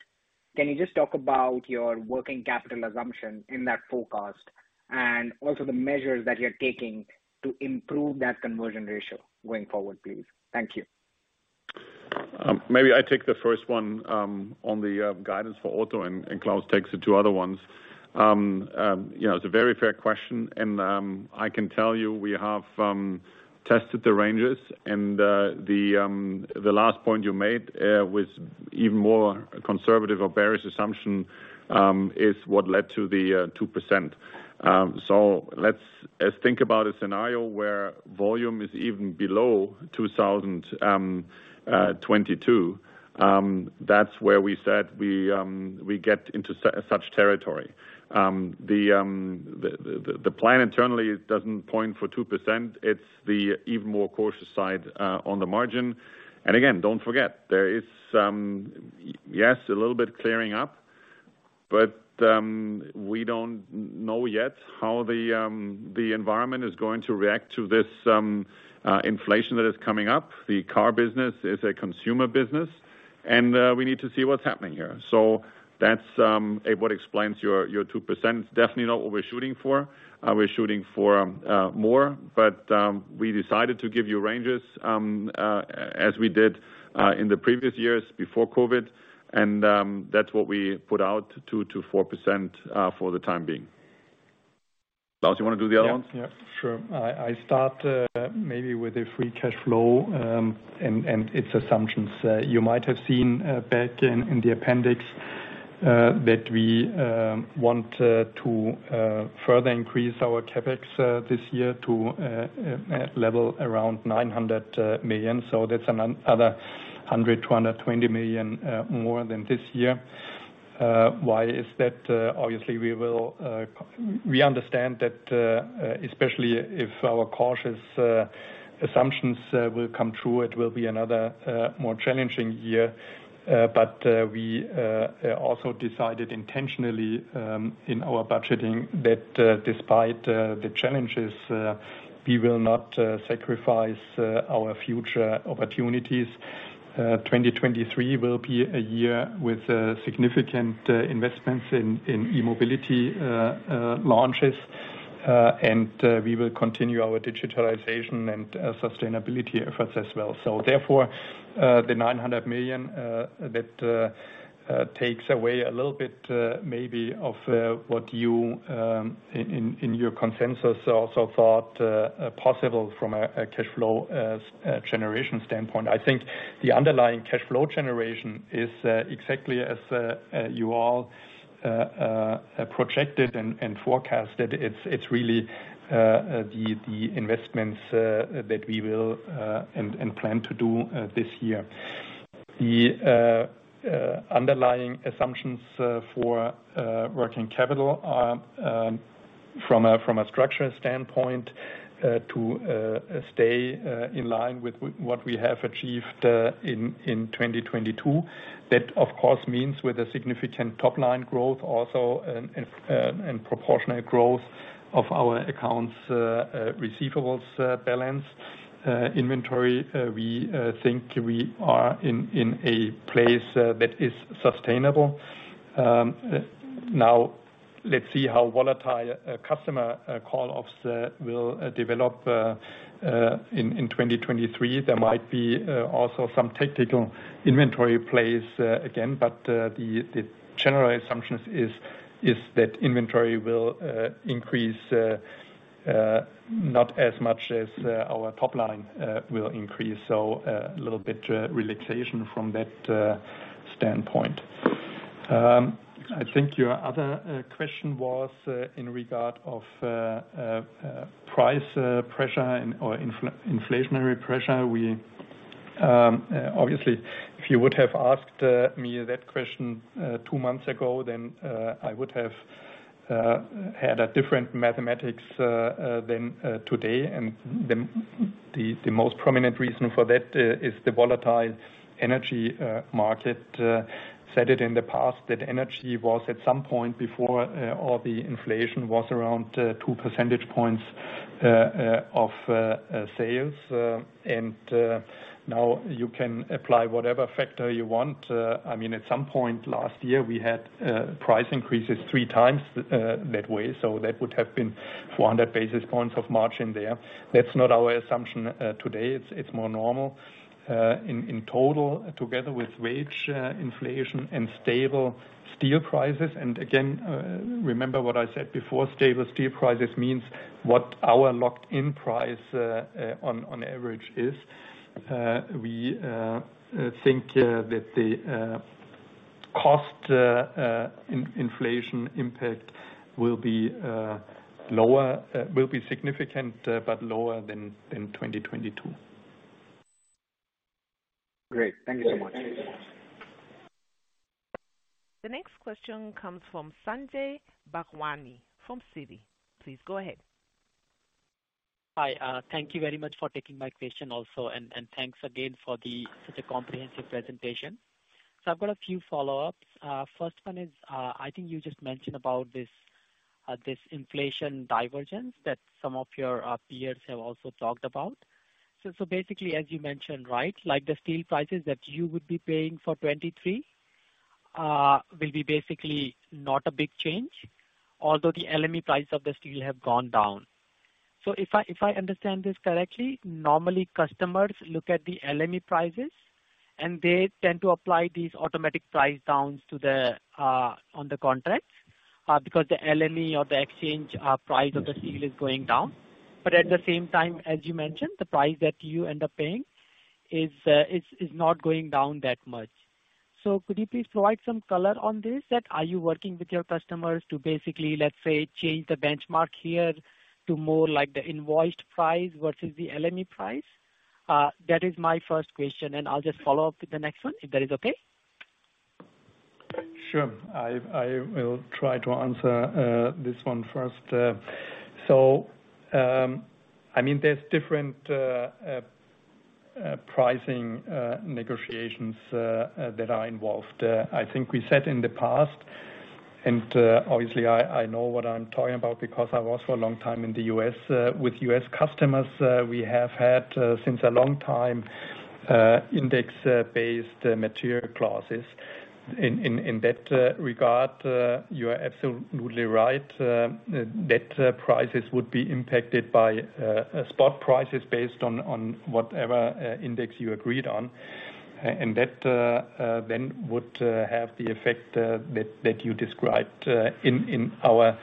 Can you just talk about your working capital assumption in that forecast and also the measures that you're taking to improve that conversion ratio going forward, please? Thank you. Maybe I take the first one on the guidance for auto, and Claus takes the two other ones. You know, it's a very fair question, and I can tell you we have tested the ranges, and the last point you made with even more conservative or bearish assumption is what led to the 2%. Let's think about a scenario where volume is even below 2022. That's where we said we get into such territory. The plan internally doesn't point for 2%. It's the even more cautious side on the margin. Again, don't forget, there is yes, a little bit clearing up. We don't know yet how the environment is going to react to this inflation that is coming up. The car business is a consumer business, and we need to see what's happening here. That's what explains your 2%. Definitely not what we're shooting for. We're shooting for more, but we decided to give you ranges, as we did in the previous years before COVID, and that's what we put out, 2%-4%, for the time being. Claus, you wanna do the other one? Sure. I start maybe with the free cash flow, and its assumptions. You might have seen back in the appendix that we want to further increase our CapEx this year to a level around 900 million. That's another 100 million to 120 million more than this year. Why is that? We understand that especially if our cautious assumptions will come true, it will be another more challenging year. We also decided intentionally in our budgeting that despite the challenges, we will not sacrifice our future opportunities. 2023 will be a year with significant investments in E-Mobility launches, and we will continue our digitalization and sustainability efforts as well. Therefore, the 900 million that takes away a little bit maybe of what you in your consensus also thought possible from a cash flow generation standpoint. I think the underlying cash flow generation is exactly as you all projected and forecasted. It's really the investments that we will and plan to do this year. The underlying assumptions for working capital are from a structural standpoint to stay in line with what we have achieved in 2022. That, of course, means with a significant top-line growth also and proportionate growth of our accounts receivables balance. Inventory, we think we are in a place that is sustainable. Now let's see how volatile customer call offs will develop in 2023. There might be also some tactical inventory plays again, but the general assumptions is that inventory will increase not as much as our top line will increase. A little bit relaxation from that standpoint. I think your other question was in regard of price pressure or inflationary pressure. We obviously, if you would have asked me that question two months ago, then I would have had a different mathematics than today. The most prominent reason for that is the volatile energy market. Said it in the past that energy was at some point before all the inflation was around two percentage points of sales, and now you can apply whatever factor you want. I mean, at some point last year, we had price increases 3x that way, so that would have been 400 basis points of margin there. That's not our assumption today. It's more normal. In total, together with wage inflation and stable steel prices, and again, remember what I said before, stable steel prices means what our locked-in price on average is. We think that the cost in-inflation impact will be lower. Will be significant, but lower than 2022. Great. Thank you so much. The next question comes from Sanjay Bhagwani from Citi. Please go ahead. Hi. Thank you very much for taking my question also, and thanks again for such a comprehensive presentation. I've got a few follow-ups. First one is, I think you just mentioned about this inflation divergence that some of your peers have also talked about. Basically, as you mentioned, right, like the steel prices that you would be paying for 23, will be basically not a big change, although the LME price of the steel have gone down. If I understand this correctly, normally customers look at the LME prices, and they tend to apply these automatic price downs to the on the contract, because the LME or the exchange price of the steel is going down. At the same time, as you mentioned, the price that you end up paying is not going down that much. Could you please provide some color on this? That are you working with your customers to basically, let's say, change the benchmark here to more like the invoiced price versus the LME price? That is my first question, and I'll just follow up with the next one, if that is okay. Sure. I will try to answer this one first. I mean, there's different pricing negotiations that are involved. I think we said in the past, and obviously I know what I'm talking about because I was for a long time in the U.S., with U.S. customers, we have had since a long time index based material clauses. In that regard, you are absolutely right. That prices would be impacted by spot prices based on whatever index you agreed on. That then would have the effect that you described. In our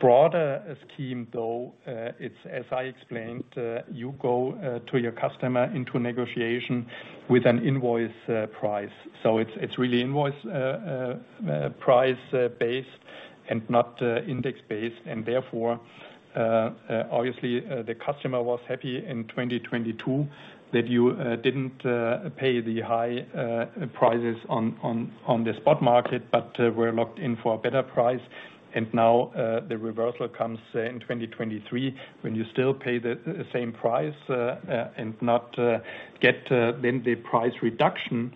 broader scheme though, it's as I explained, you go to your customer into a negotiation with an invoice price. It's, it's really invoice price based and not index based. Therefore, obviously, the customer was happy in 2022 that you didn't pay the high prices on the spot market, but were locked in for a better price. Now, the reversal comes in 2023, when you still pay the same price and not get then the price reduction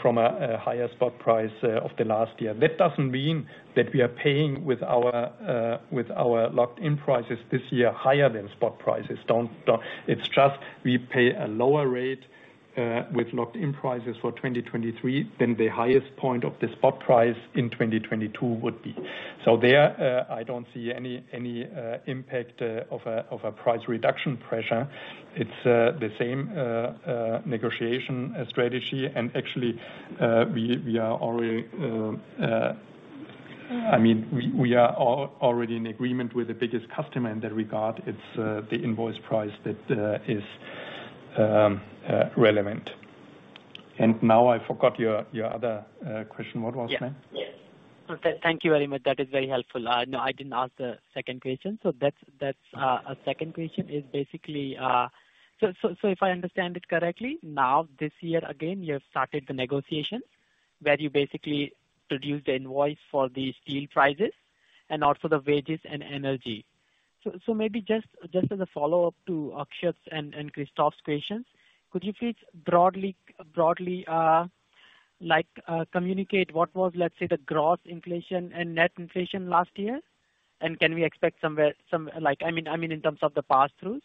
from a higher spot price of the last year. That doesn't mean that we are paying with our locked in prices this year higher than spot prices. Don't. It's just we pay a lower rate with locked in prices for 2023 than the highest point of the spot price in 2022 would be. There, I don't see any impact of a price reduction pressure. It's the same negotiation strategy. Actually, we are already, I mean, we are already in agreement with the biggest customer in that regard. It's the invoice price that is relevant. Now I forgot your other question. What was that? Thank you very much. That is very helpful. No, I didn't ask the second question. Second question is basically, so if I understand it correctly, now, this year again, you have started the negotiations where you basically produce the invoice for the steel prices and also the wages and energy. Maybe just as a follow-up to Akshat's and Christoph's questions, could you please broadly communicate what was, let's say, the gross inflation and net inflation last year? Can we expect somewhere in terms of the pass-throughs?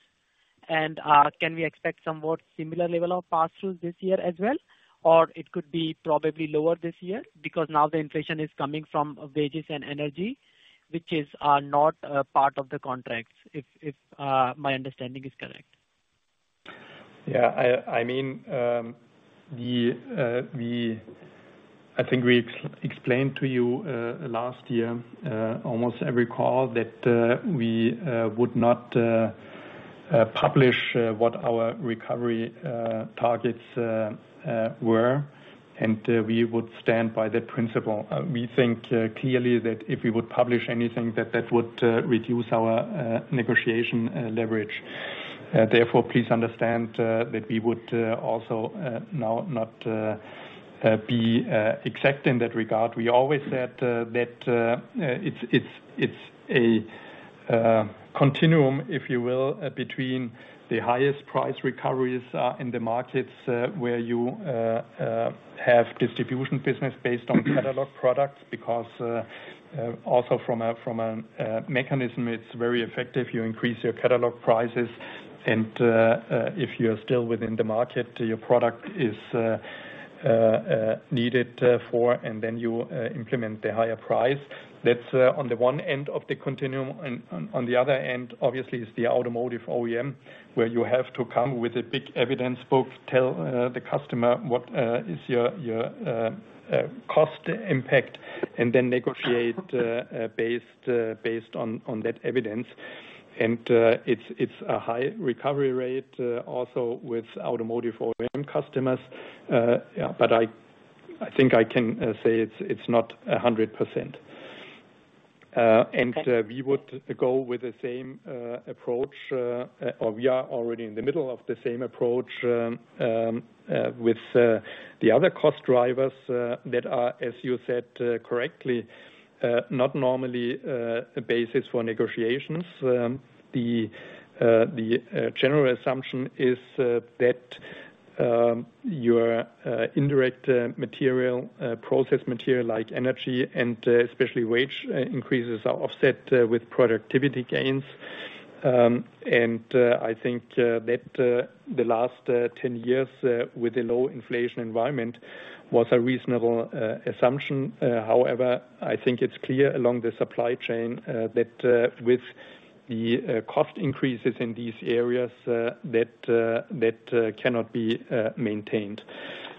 Can we expect somewhat similar level of pass-throughs this year as well? It could be probably lower this year because now the inflation is coming from wages and energy, which are not a part of the contracts, if my understanding is correct. I think we explained to you last year, almost every call that we would not publish what our recovery targets were, and we would stand by that principle. We think clearly that if we would publish anything that that would reduce our negotiation leverage. Therefore, please understand that we would also now not be exact in that regard. We always said that it's a continuum, if you will, between the highest price recoveries in the markets where you have distribution business based on catalog products, because also from a mechanism, it's very effective. You increase your catalog prices and if you're still within the market, your product is needed for, and then you implement the higher price. That's on the one end of the continuum. On the other end, obviously is the automotive OEM, where you have to come with a big evidence book, tell the customer what is your cost impact, and then negotiate based on that evidence. It's a high recovery rate also with automotive OEM customers. But I think I can say it's not 100%. The same approach, or we are already in the middle of the same approach, with the other cost drivers that are, as you said correctly, not normally a basis for negotiations. The general assumption is that your indirect material, process material like energy, and especially wage increases are offset with productivity gains. I think that the last 10 years with a low inflation environment was a reasonable assumption. However, I think it is clear along the supply chain that with the cost increases in these areas, that cannot be maintained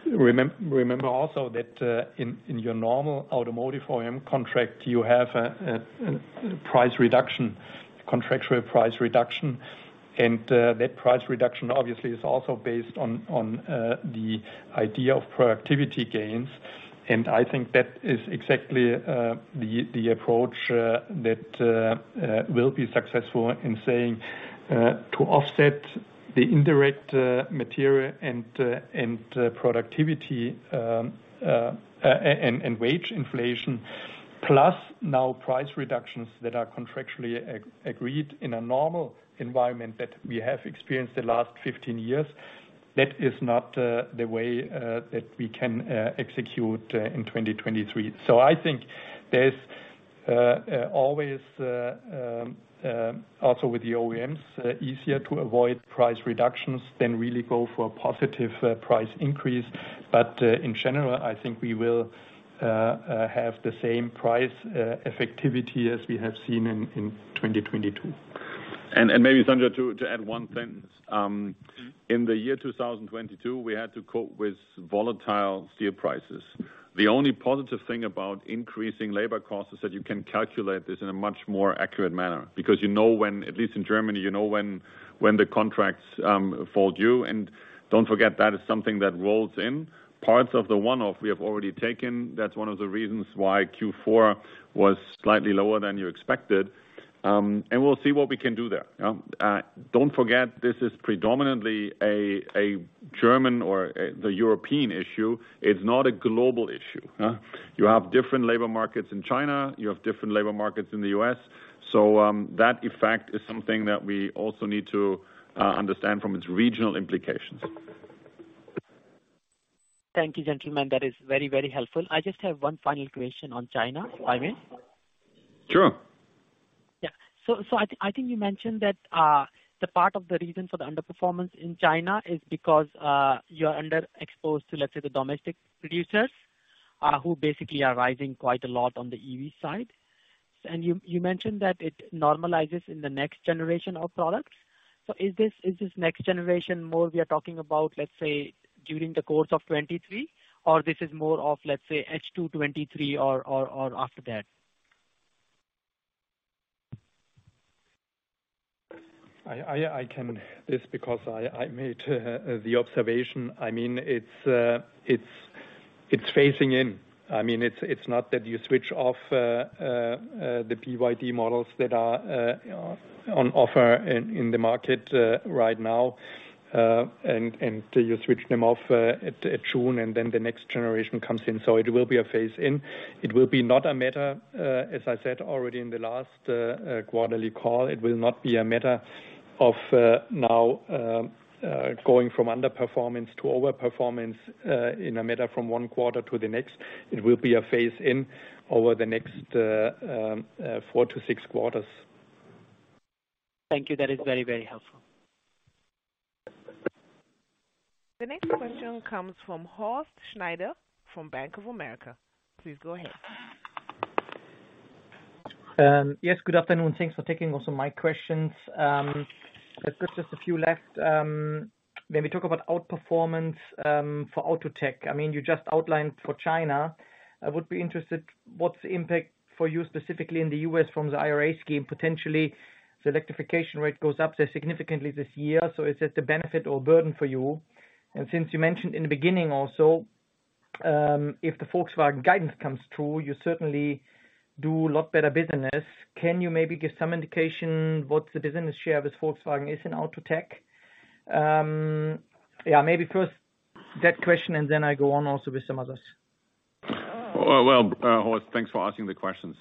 Remember also that in your normal automotive OEM contract, you have a price reduction, contractual price reduction, and that price reduction obviously is also based on the idea of productivity gains. I think that is exactly the approach that will be successful in saying to offset the indirect material and productivity and wage inflation. Plus now price reductions that are contractually agreed in a normal environment that we have experienced the last 15 years. That is not the way that we can execute in 2023. I think there's always also with the OEMs, easier to avoid price reductions than really go for a positive price increase. In general, I think we will have the same price effectivity as we have seen in 2022. Maybe Sanjay to add one thing. In the year 2022 we had to cope with volatile steel prices. The only positive thing about increasing labor costs is that you can calculate this in a much more accurate manner because you know when, at least in Germany, you know when the contracts fall due. Don't forget that is something that rolls in. Parts of the one-off we have already taken. That's one of the reasons why Q4 was slightly lower than you expected, and we'll see what we can do there. Don't forget this is predominantly a German or the European issue. It's not a global issue? You have different labor markets in China, you have different labor markets in the U.S. That effect is something that we also need to understand from its regional implications. Thank you, gentlemen. That is very, very helpful. I just have one final question on China, if I may. I think you mentioned that the part of the reason for the underperformance in China is because you are underexposed to, let's say, the domestic producers, who basically are rising quite a lot on the EV side. You mentioned that it normalizes in the next generation of products. Is this next generation more we are talking about, let's say, during the course of 2023, or this is more of, let's say, H2 2023 or after that? I can this because I made the observation. I mean, it's phasing in. I mean, it's not that you switch off the BYD models that are on offer in the market right now, and you switch them off at June, and then the next generation comes in. It will be a phase in. It will be not a matter as I said already in the last quarterly call, it will not be a matter of now going from underperformance to overperformance in a matter from one quarter to the next. It will be a phase in over the next four to six quarters. Thank you. That is very, very helpful. The next question comes from Horst Schneider from Bank of America. Please go ahead. Yes, good afternoon. Thanks for taking also my questions. Let's get just a few left. When we talk about outperformance, for autotech you just outlined for China. I would be interested what's the impact for you specifically in the U.S. from the IRA scheme? Potentially, the electrification rate goes up there significantly this year. Is it a benefit or burden for you? Since you mentioned in the beginning also, if the Volkswagen guidance comes through, you certainly do a lot better business. Can you maybe give some indication what the business share with Volkswagen is in autotech? Maybe first that question, and then I go on also with some others. Well, Horst, thanks for asking the questions.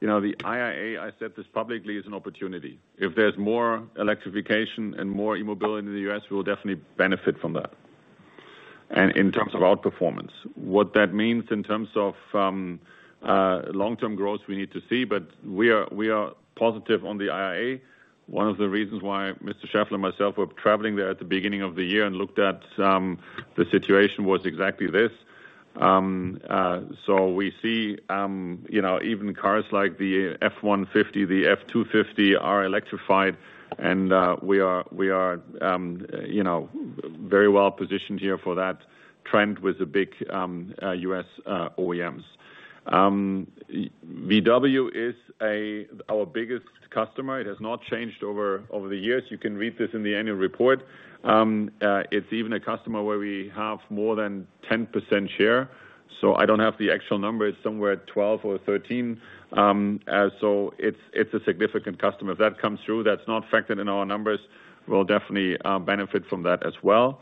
You know the IRA, I said this publicly, is an opportunity. If there's more electrification and more e-mobility in the U.S., we will definitely benefit from that. In terms of outperformance, what that means in terms of long-term growth, we need to see, but we are positive on the IRA. One of the reasons why Mr. Schaeffler and myself were traveling there at the beginning of the year and looked at the situation was exactly this. We see even cars like the F-150, the F-250 are electrified and we are very well-positioned here for that trend with the big U.S. OEMs. VW is our biggest customer. It has not changed over the years. You can read this in the annual report. It's even a customer where we have more than 10% share. I don't have the actual number. It's somewhere 12 or 13. It's a significant customer. If that comes through, that's not factored in our numbers. We'll definitely benefit from that as well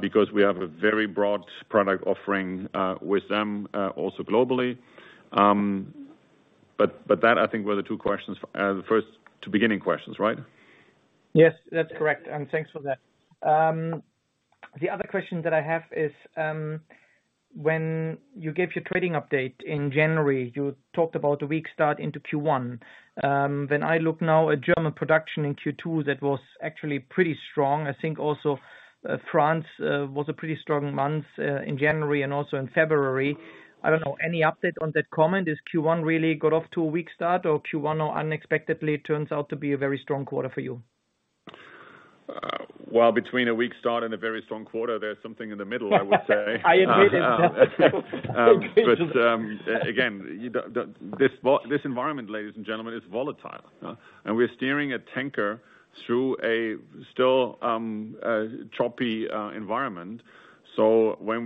because we have a very broad product offering with them also globally. But that I think were the two questions, the first two beginning questions, right? Yes, that's correct. Thanks for that. The other question that I have is, when you gave your trading update in January, you talked about a weak start into Q1. When I look now at German production in Q2, that was actually pretty strong. I think also, France was a pretty strong month in January and also in February. I don't know any update on that comment. Is Q1 really got off to a weak start or Q1 unexpectedly turns out to be a very strong quarter for you? Well, between a weak start and a very strong quarter, there's something in the middle, I would say. Again, this environment, ladies and gentlemen, is volatile, and we're steering a tanker through a still, choppy environment. When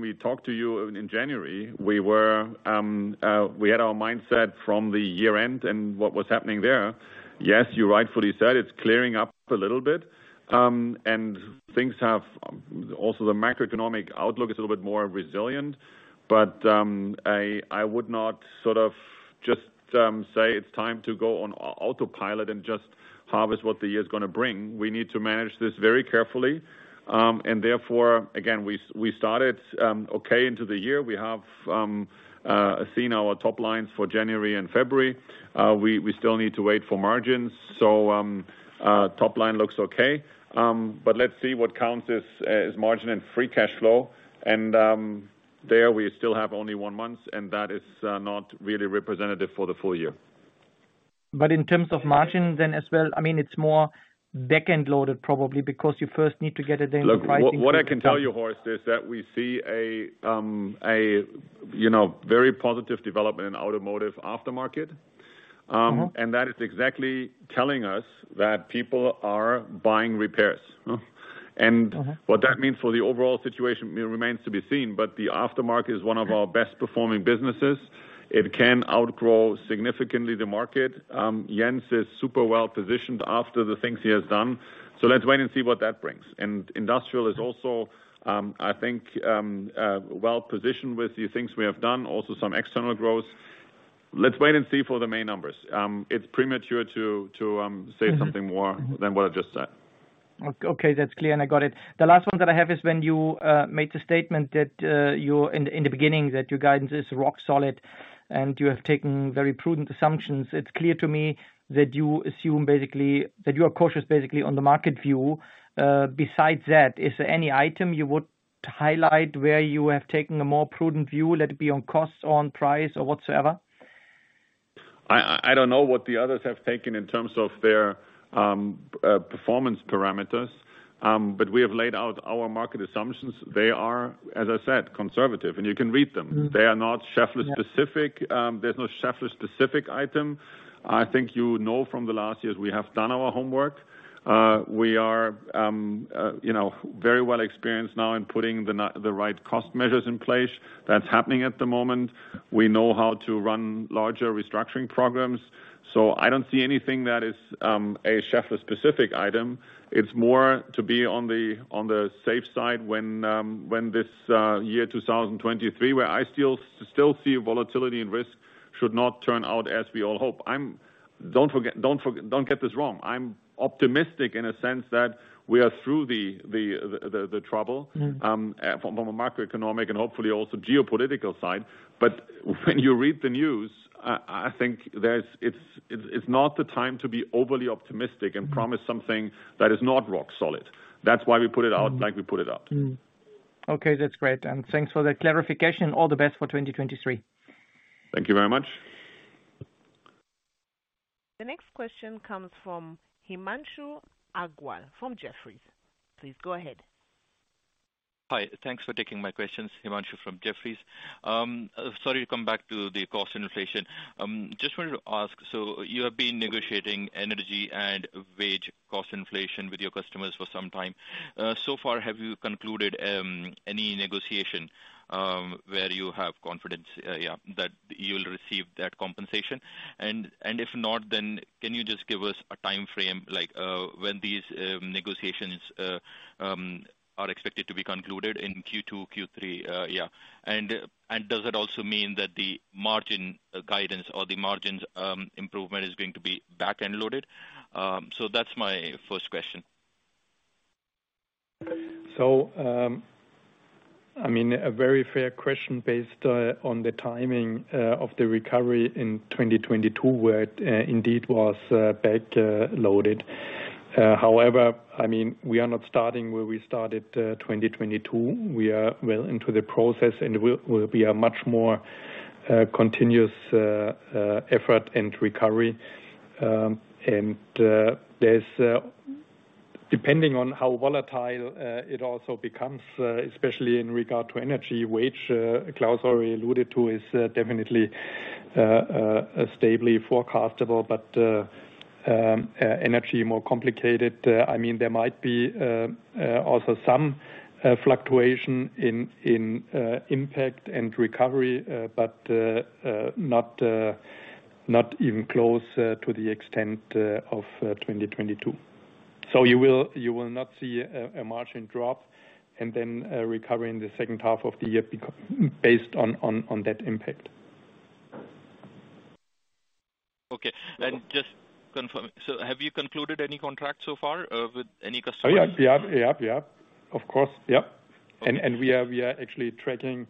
we talked to you in January, we had our mindset from the year-end and what was happening there. Yes, you rightfully said it's clearing up a little bit. Things have, also the macroeconomic outlook is a little bit more resilient, but I would not Just say it's time to go on autopilot and just harvest what the year's gonna bring. We need to manage this very carefully, and therefore, again, we started okay into the year. We have seen our top lines for January and February. We still need to wait for margins, so top line looks okay. Let's see what counts as margin and free cash flow. There we still have only one month, and that is not really representative for the full year. In terms of margin then as well, I mean, it's more backend loaded probably because you first need to get it in pricing. Look, what I can tell you, Horst, is that we see a, you know, very positive development in automotive aftermarket. That is exactly telling us that people are buying repairs what that means for the overall situation remains to be seen, but the aftermarket is one of our best performing businesses. It can outgrow significantly the market. Jens is super well positioned after the things he has done, so let's wait and see what that brings. Industrial is also, I think, well-positioned with the things we have done, also some external growth. Let's wait and see for the main numbers. It's premature to say something more than what I just said. Okay, that's clear, and I got it. The last one that I have is when you made the statement that in the beginning, that your guidance is rock solid, and you have taken very prudent assumptions. It's clear to me that you assume basically, that you are cautious basically on the market view. Besides that, is there any item you would highlight where you have taken a more prudent view, let it be on costs or on price or whatsoever? I don't know what the others have taken in terms of their performance parameters, but we have laid out our market assumptions. They are, as I said, conservative, and you can read them. They are not Schaeffler specific. There's no Schaeffler specific item. I think you know from the last years we have done our homework. We are, you know, very well experienced now in putting the right cost measures in place. That's happening at the moment. We know how to run larger restructuring programs. I don't see anything that is a Schaeffler specific item. It's more to be on the safe side when this 2023, where I still see volatility and risk should not turn out as we all hope. Don't forget, don't get this wrong. I'm optimistic in a sense that we are through the trouble. From a macroeconomic and hopefully also geopolitical side. When you read the news, I think there's, it's not the time to be overly optimistic and promise something that is not rock solid. That's why we put it out like we put it out. Okay, that's great. Thanks for that clarification. All the best for 2023. Thank you very much. The next question comes from Himanshu Agarwal from Jefferies. Please go ahead. Hi. Thanks for taking my questions. Himanshu from Jefferies. Sorry to come back to the cost inflation. Just wanted to ask, you have been negotiating energy and wage cost inflation with your customers for some time. So far, have you concluded any negotiation where you have confidence that you'll receive that compensation? If not, then can you just give us a timeframe, like, when these negotiations are expected to be concluded in Q2, Q3. Does it also mean that the margin guidance or the margins, improvement is going to be back-ended loaded? That's my first question. I mean, a very fair question based on the timing of the recovery in 2022, where it indeed was back loaded. However, I mean, we are not starting where we started 2022. We are well into the process, and we're, we'll be a much more continuous effort and recovery. There's depending on how volatile it also becomes, especially in regard to energy, wage, Klaus already alluded to, is definitely stably forecastable. Energy more complicated. I mean, there might be also some fluctuation in impact and recovery, but not not even close to the extent of 2022. You will not see a margin drop and then recover in the second half of the year based on that impact. Okay. Just confirm, have you concluded any contract so far with any customers? Of course. Okay. We are actually tracking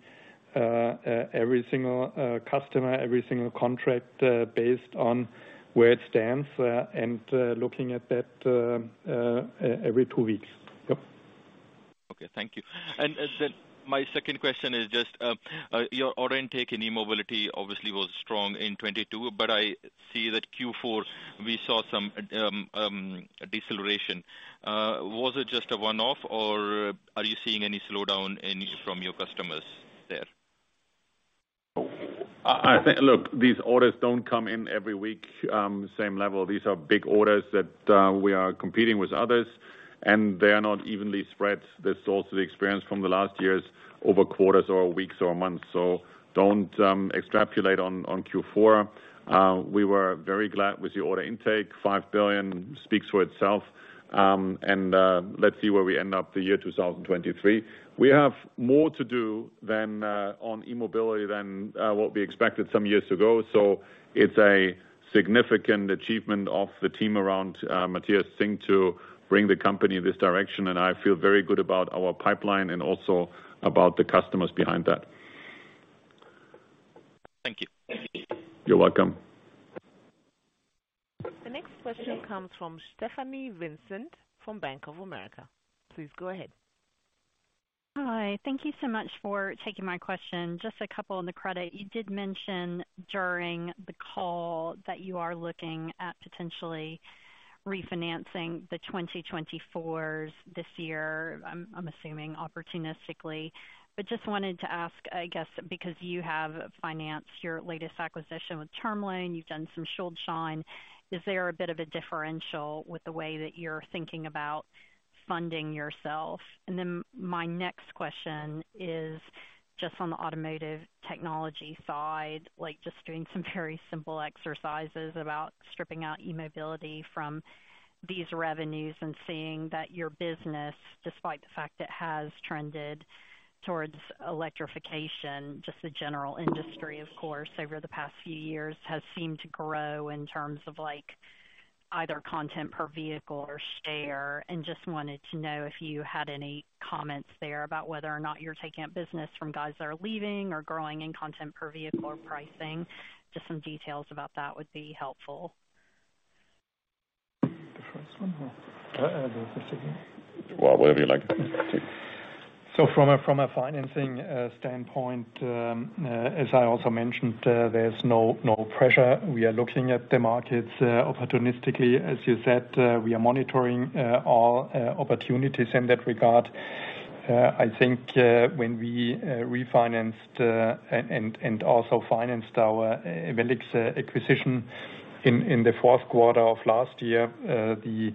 every single customer, every single contract, based on where it stands, and looking at that every 2 weeks. Okay, thank you. My second question, your order intake in E-Mobility obviously was strong in 2022, but I see that Q4 we saw some deceleration. Was it just a one-off, or are you seeing any slowdown from your customers there? I think Look, these orders don't come in every week, same level. These are big orders that we are competing with others. They are not evenly spread. That's also the experience from the last years over quarters or weeks or months. Don't extrapolate on Q4. We were very glad with the order intake. 5 billion speaks for itself. Let's see where we end up the year 2023. We have more to do than on E-Mobility than what we expected some years ago. It's a significant achievement of the team around Matthias Zink to bring the company this direction, and I feel very good about our pipeline and also about the customers behind that. Thank you. You're welcome. The next question comes from Stephanie Vincent from Bank of America. Please go ahead. Hi. Thank you so much for taking my question. Just a couple on the credit. You did mention during the call that you are looking at potentially refinancing the 2024s this year, I'm assuming opportunistically. Just wanted to ask, I guess, because you have financed your latest acquisition with Term Loan, you've done some Schuldschein. Is there a bit of a differential with the way that you're thinking about funding yourself? My next question is just on the Automotive Technologies side, like just doing some very simple exercises about stripping out E-Mobility from these revenues and seeing that your business, despite the fact it has trended towards electrification, just the general industry, of course, over the past few years, has seemed to grow in terms of like either content per vehicle or share. Just wanted to know if you had any comments there about whether or not you're taking up business from guys that are leaving or growing in content per vehicle or pricing? Just some details about that would be helpful. The first one or? Well, whatever you like. From a financing standpoint, as I also mentioned, there's no pressure. We are looking at the markets opportunistically. As you said, we are monitoring all opportunities in that regard. I think when we refinanced and also financed our Ewellix acquisition in the fourth quarter of last year, the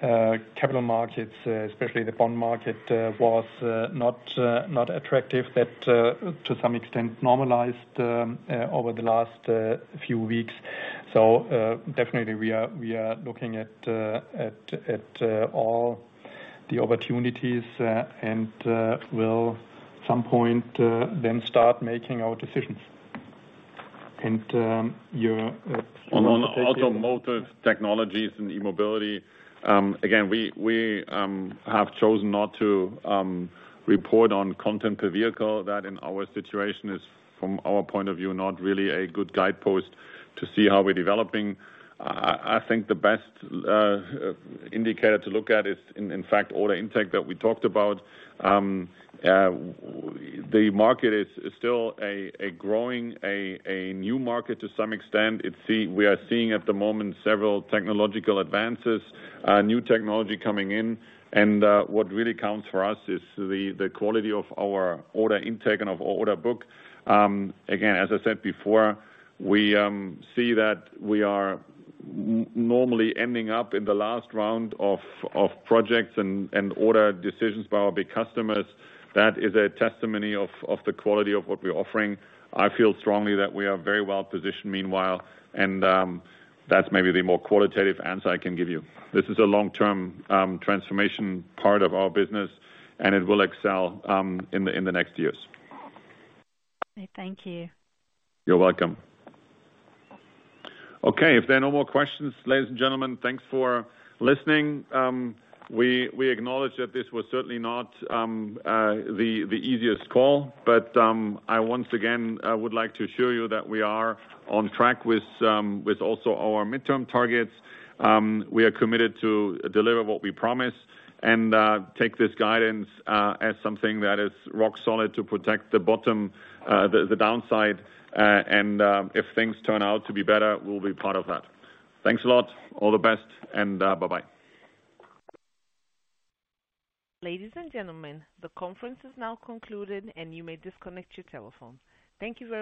capital markets, especially the bond market, was not attractive. That to some extent normalized over the last few weeks. Definitely we are looking at all the opportunities and will some point then start making our decisions. On Automotive Technologies and E-Mobility, again, we have chosen not to report on content per vehicle. That in our situation is, from our point of view, not really a good guidepost to see how we're developing. I think the best indicator to look at is in fact, all the intake that we talked about. The market is still a growing new market to some extent. We are seeing at the moment several technological advances, new technology coming in. What really counts for us is the quality of our order intake and of order book. Again, as I said before, we see that we are normally ending up in the last round of projects and order decisions by our big customers. That is a testimony of the quality of what we're offering. I feel strongly that we are very well positioned meanwhile, and that's maybe the more qualitative answer I can give you. This is a long-term transformation part of our business, and it will excel in the next years. Thank you. You're welcome. Okay, if there are no more questions, ladies and gentlemen, thanks for listening. We acknowledge that this was certainly not the easiest call, but I once again would like to assure you that we are on track with also our midterm targets. We are committed to deliver what we promised and take this guidance as something that is rock solid to protect the bottom, the downside. If things turn out to be better, we'll be part of that. Thanks a lot. All the best, and bye-bye. Ladies and gentlemen, the conference is now concluded and you may disconnect your telephone. Thank you very much.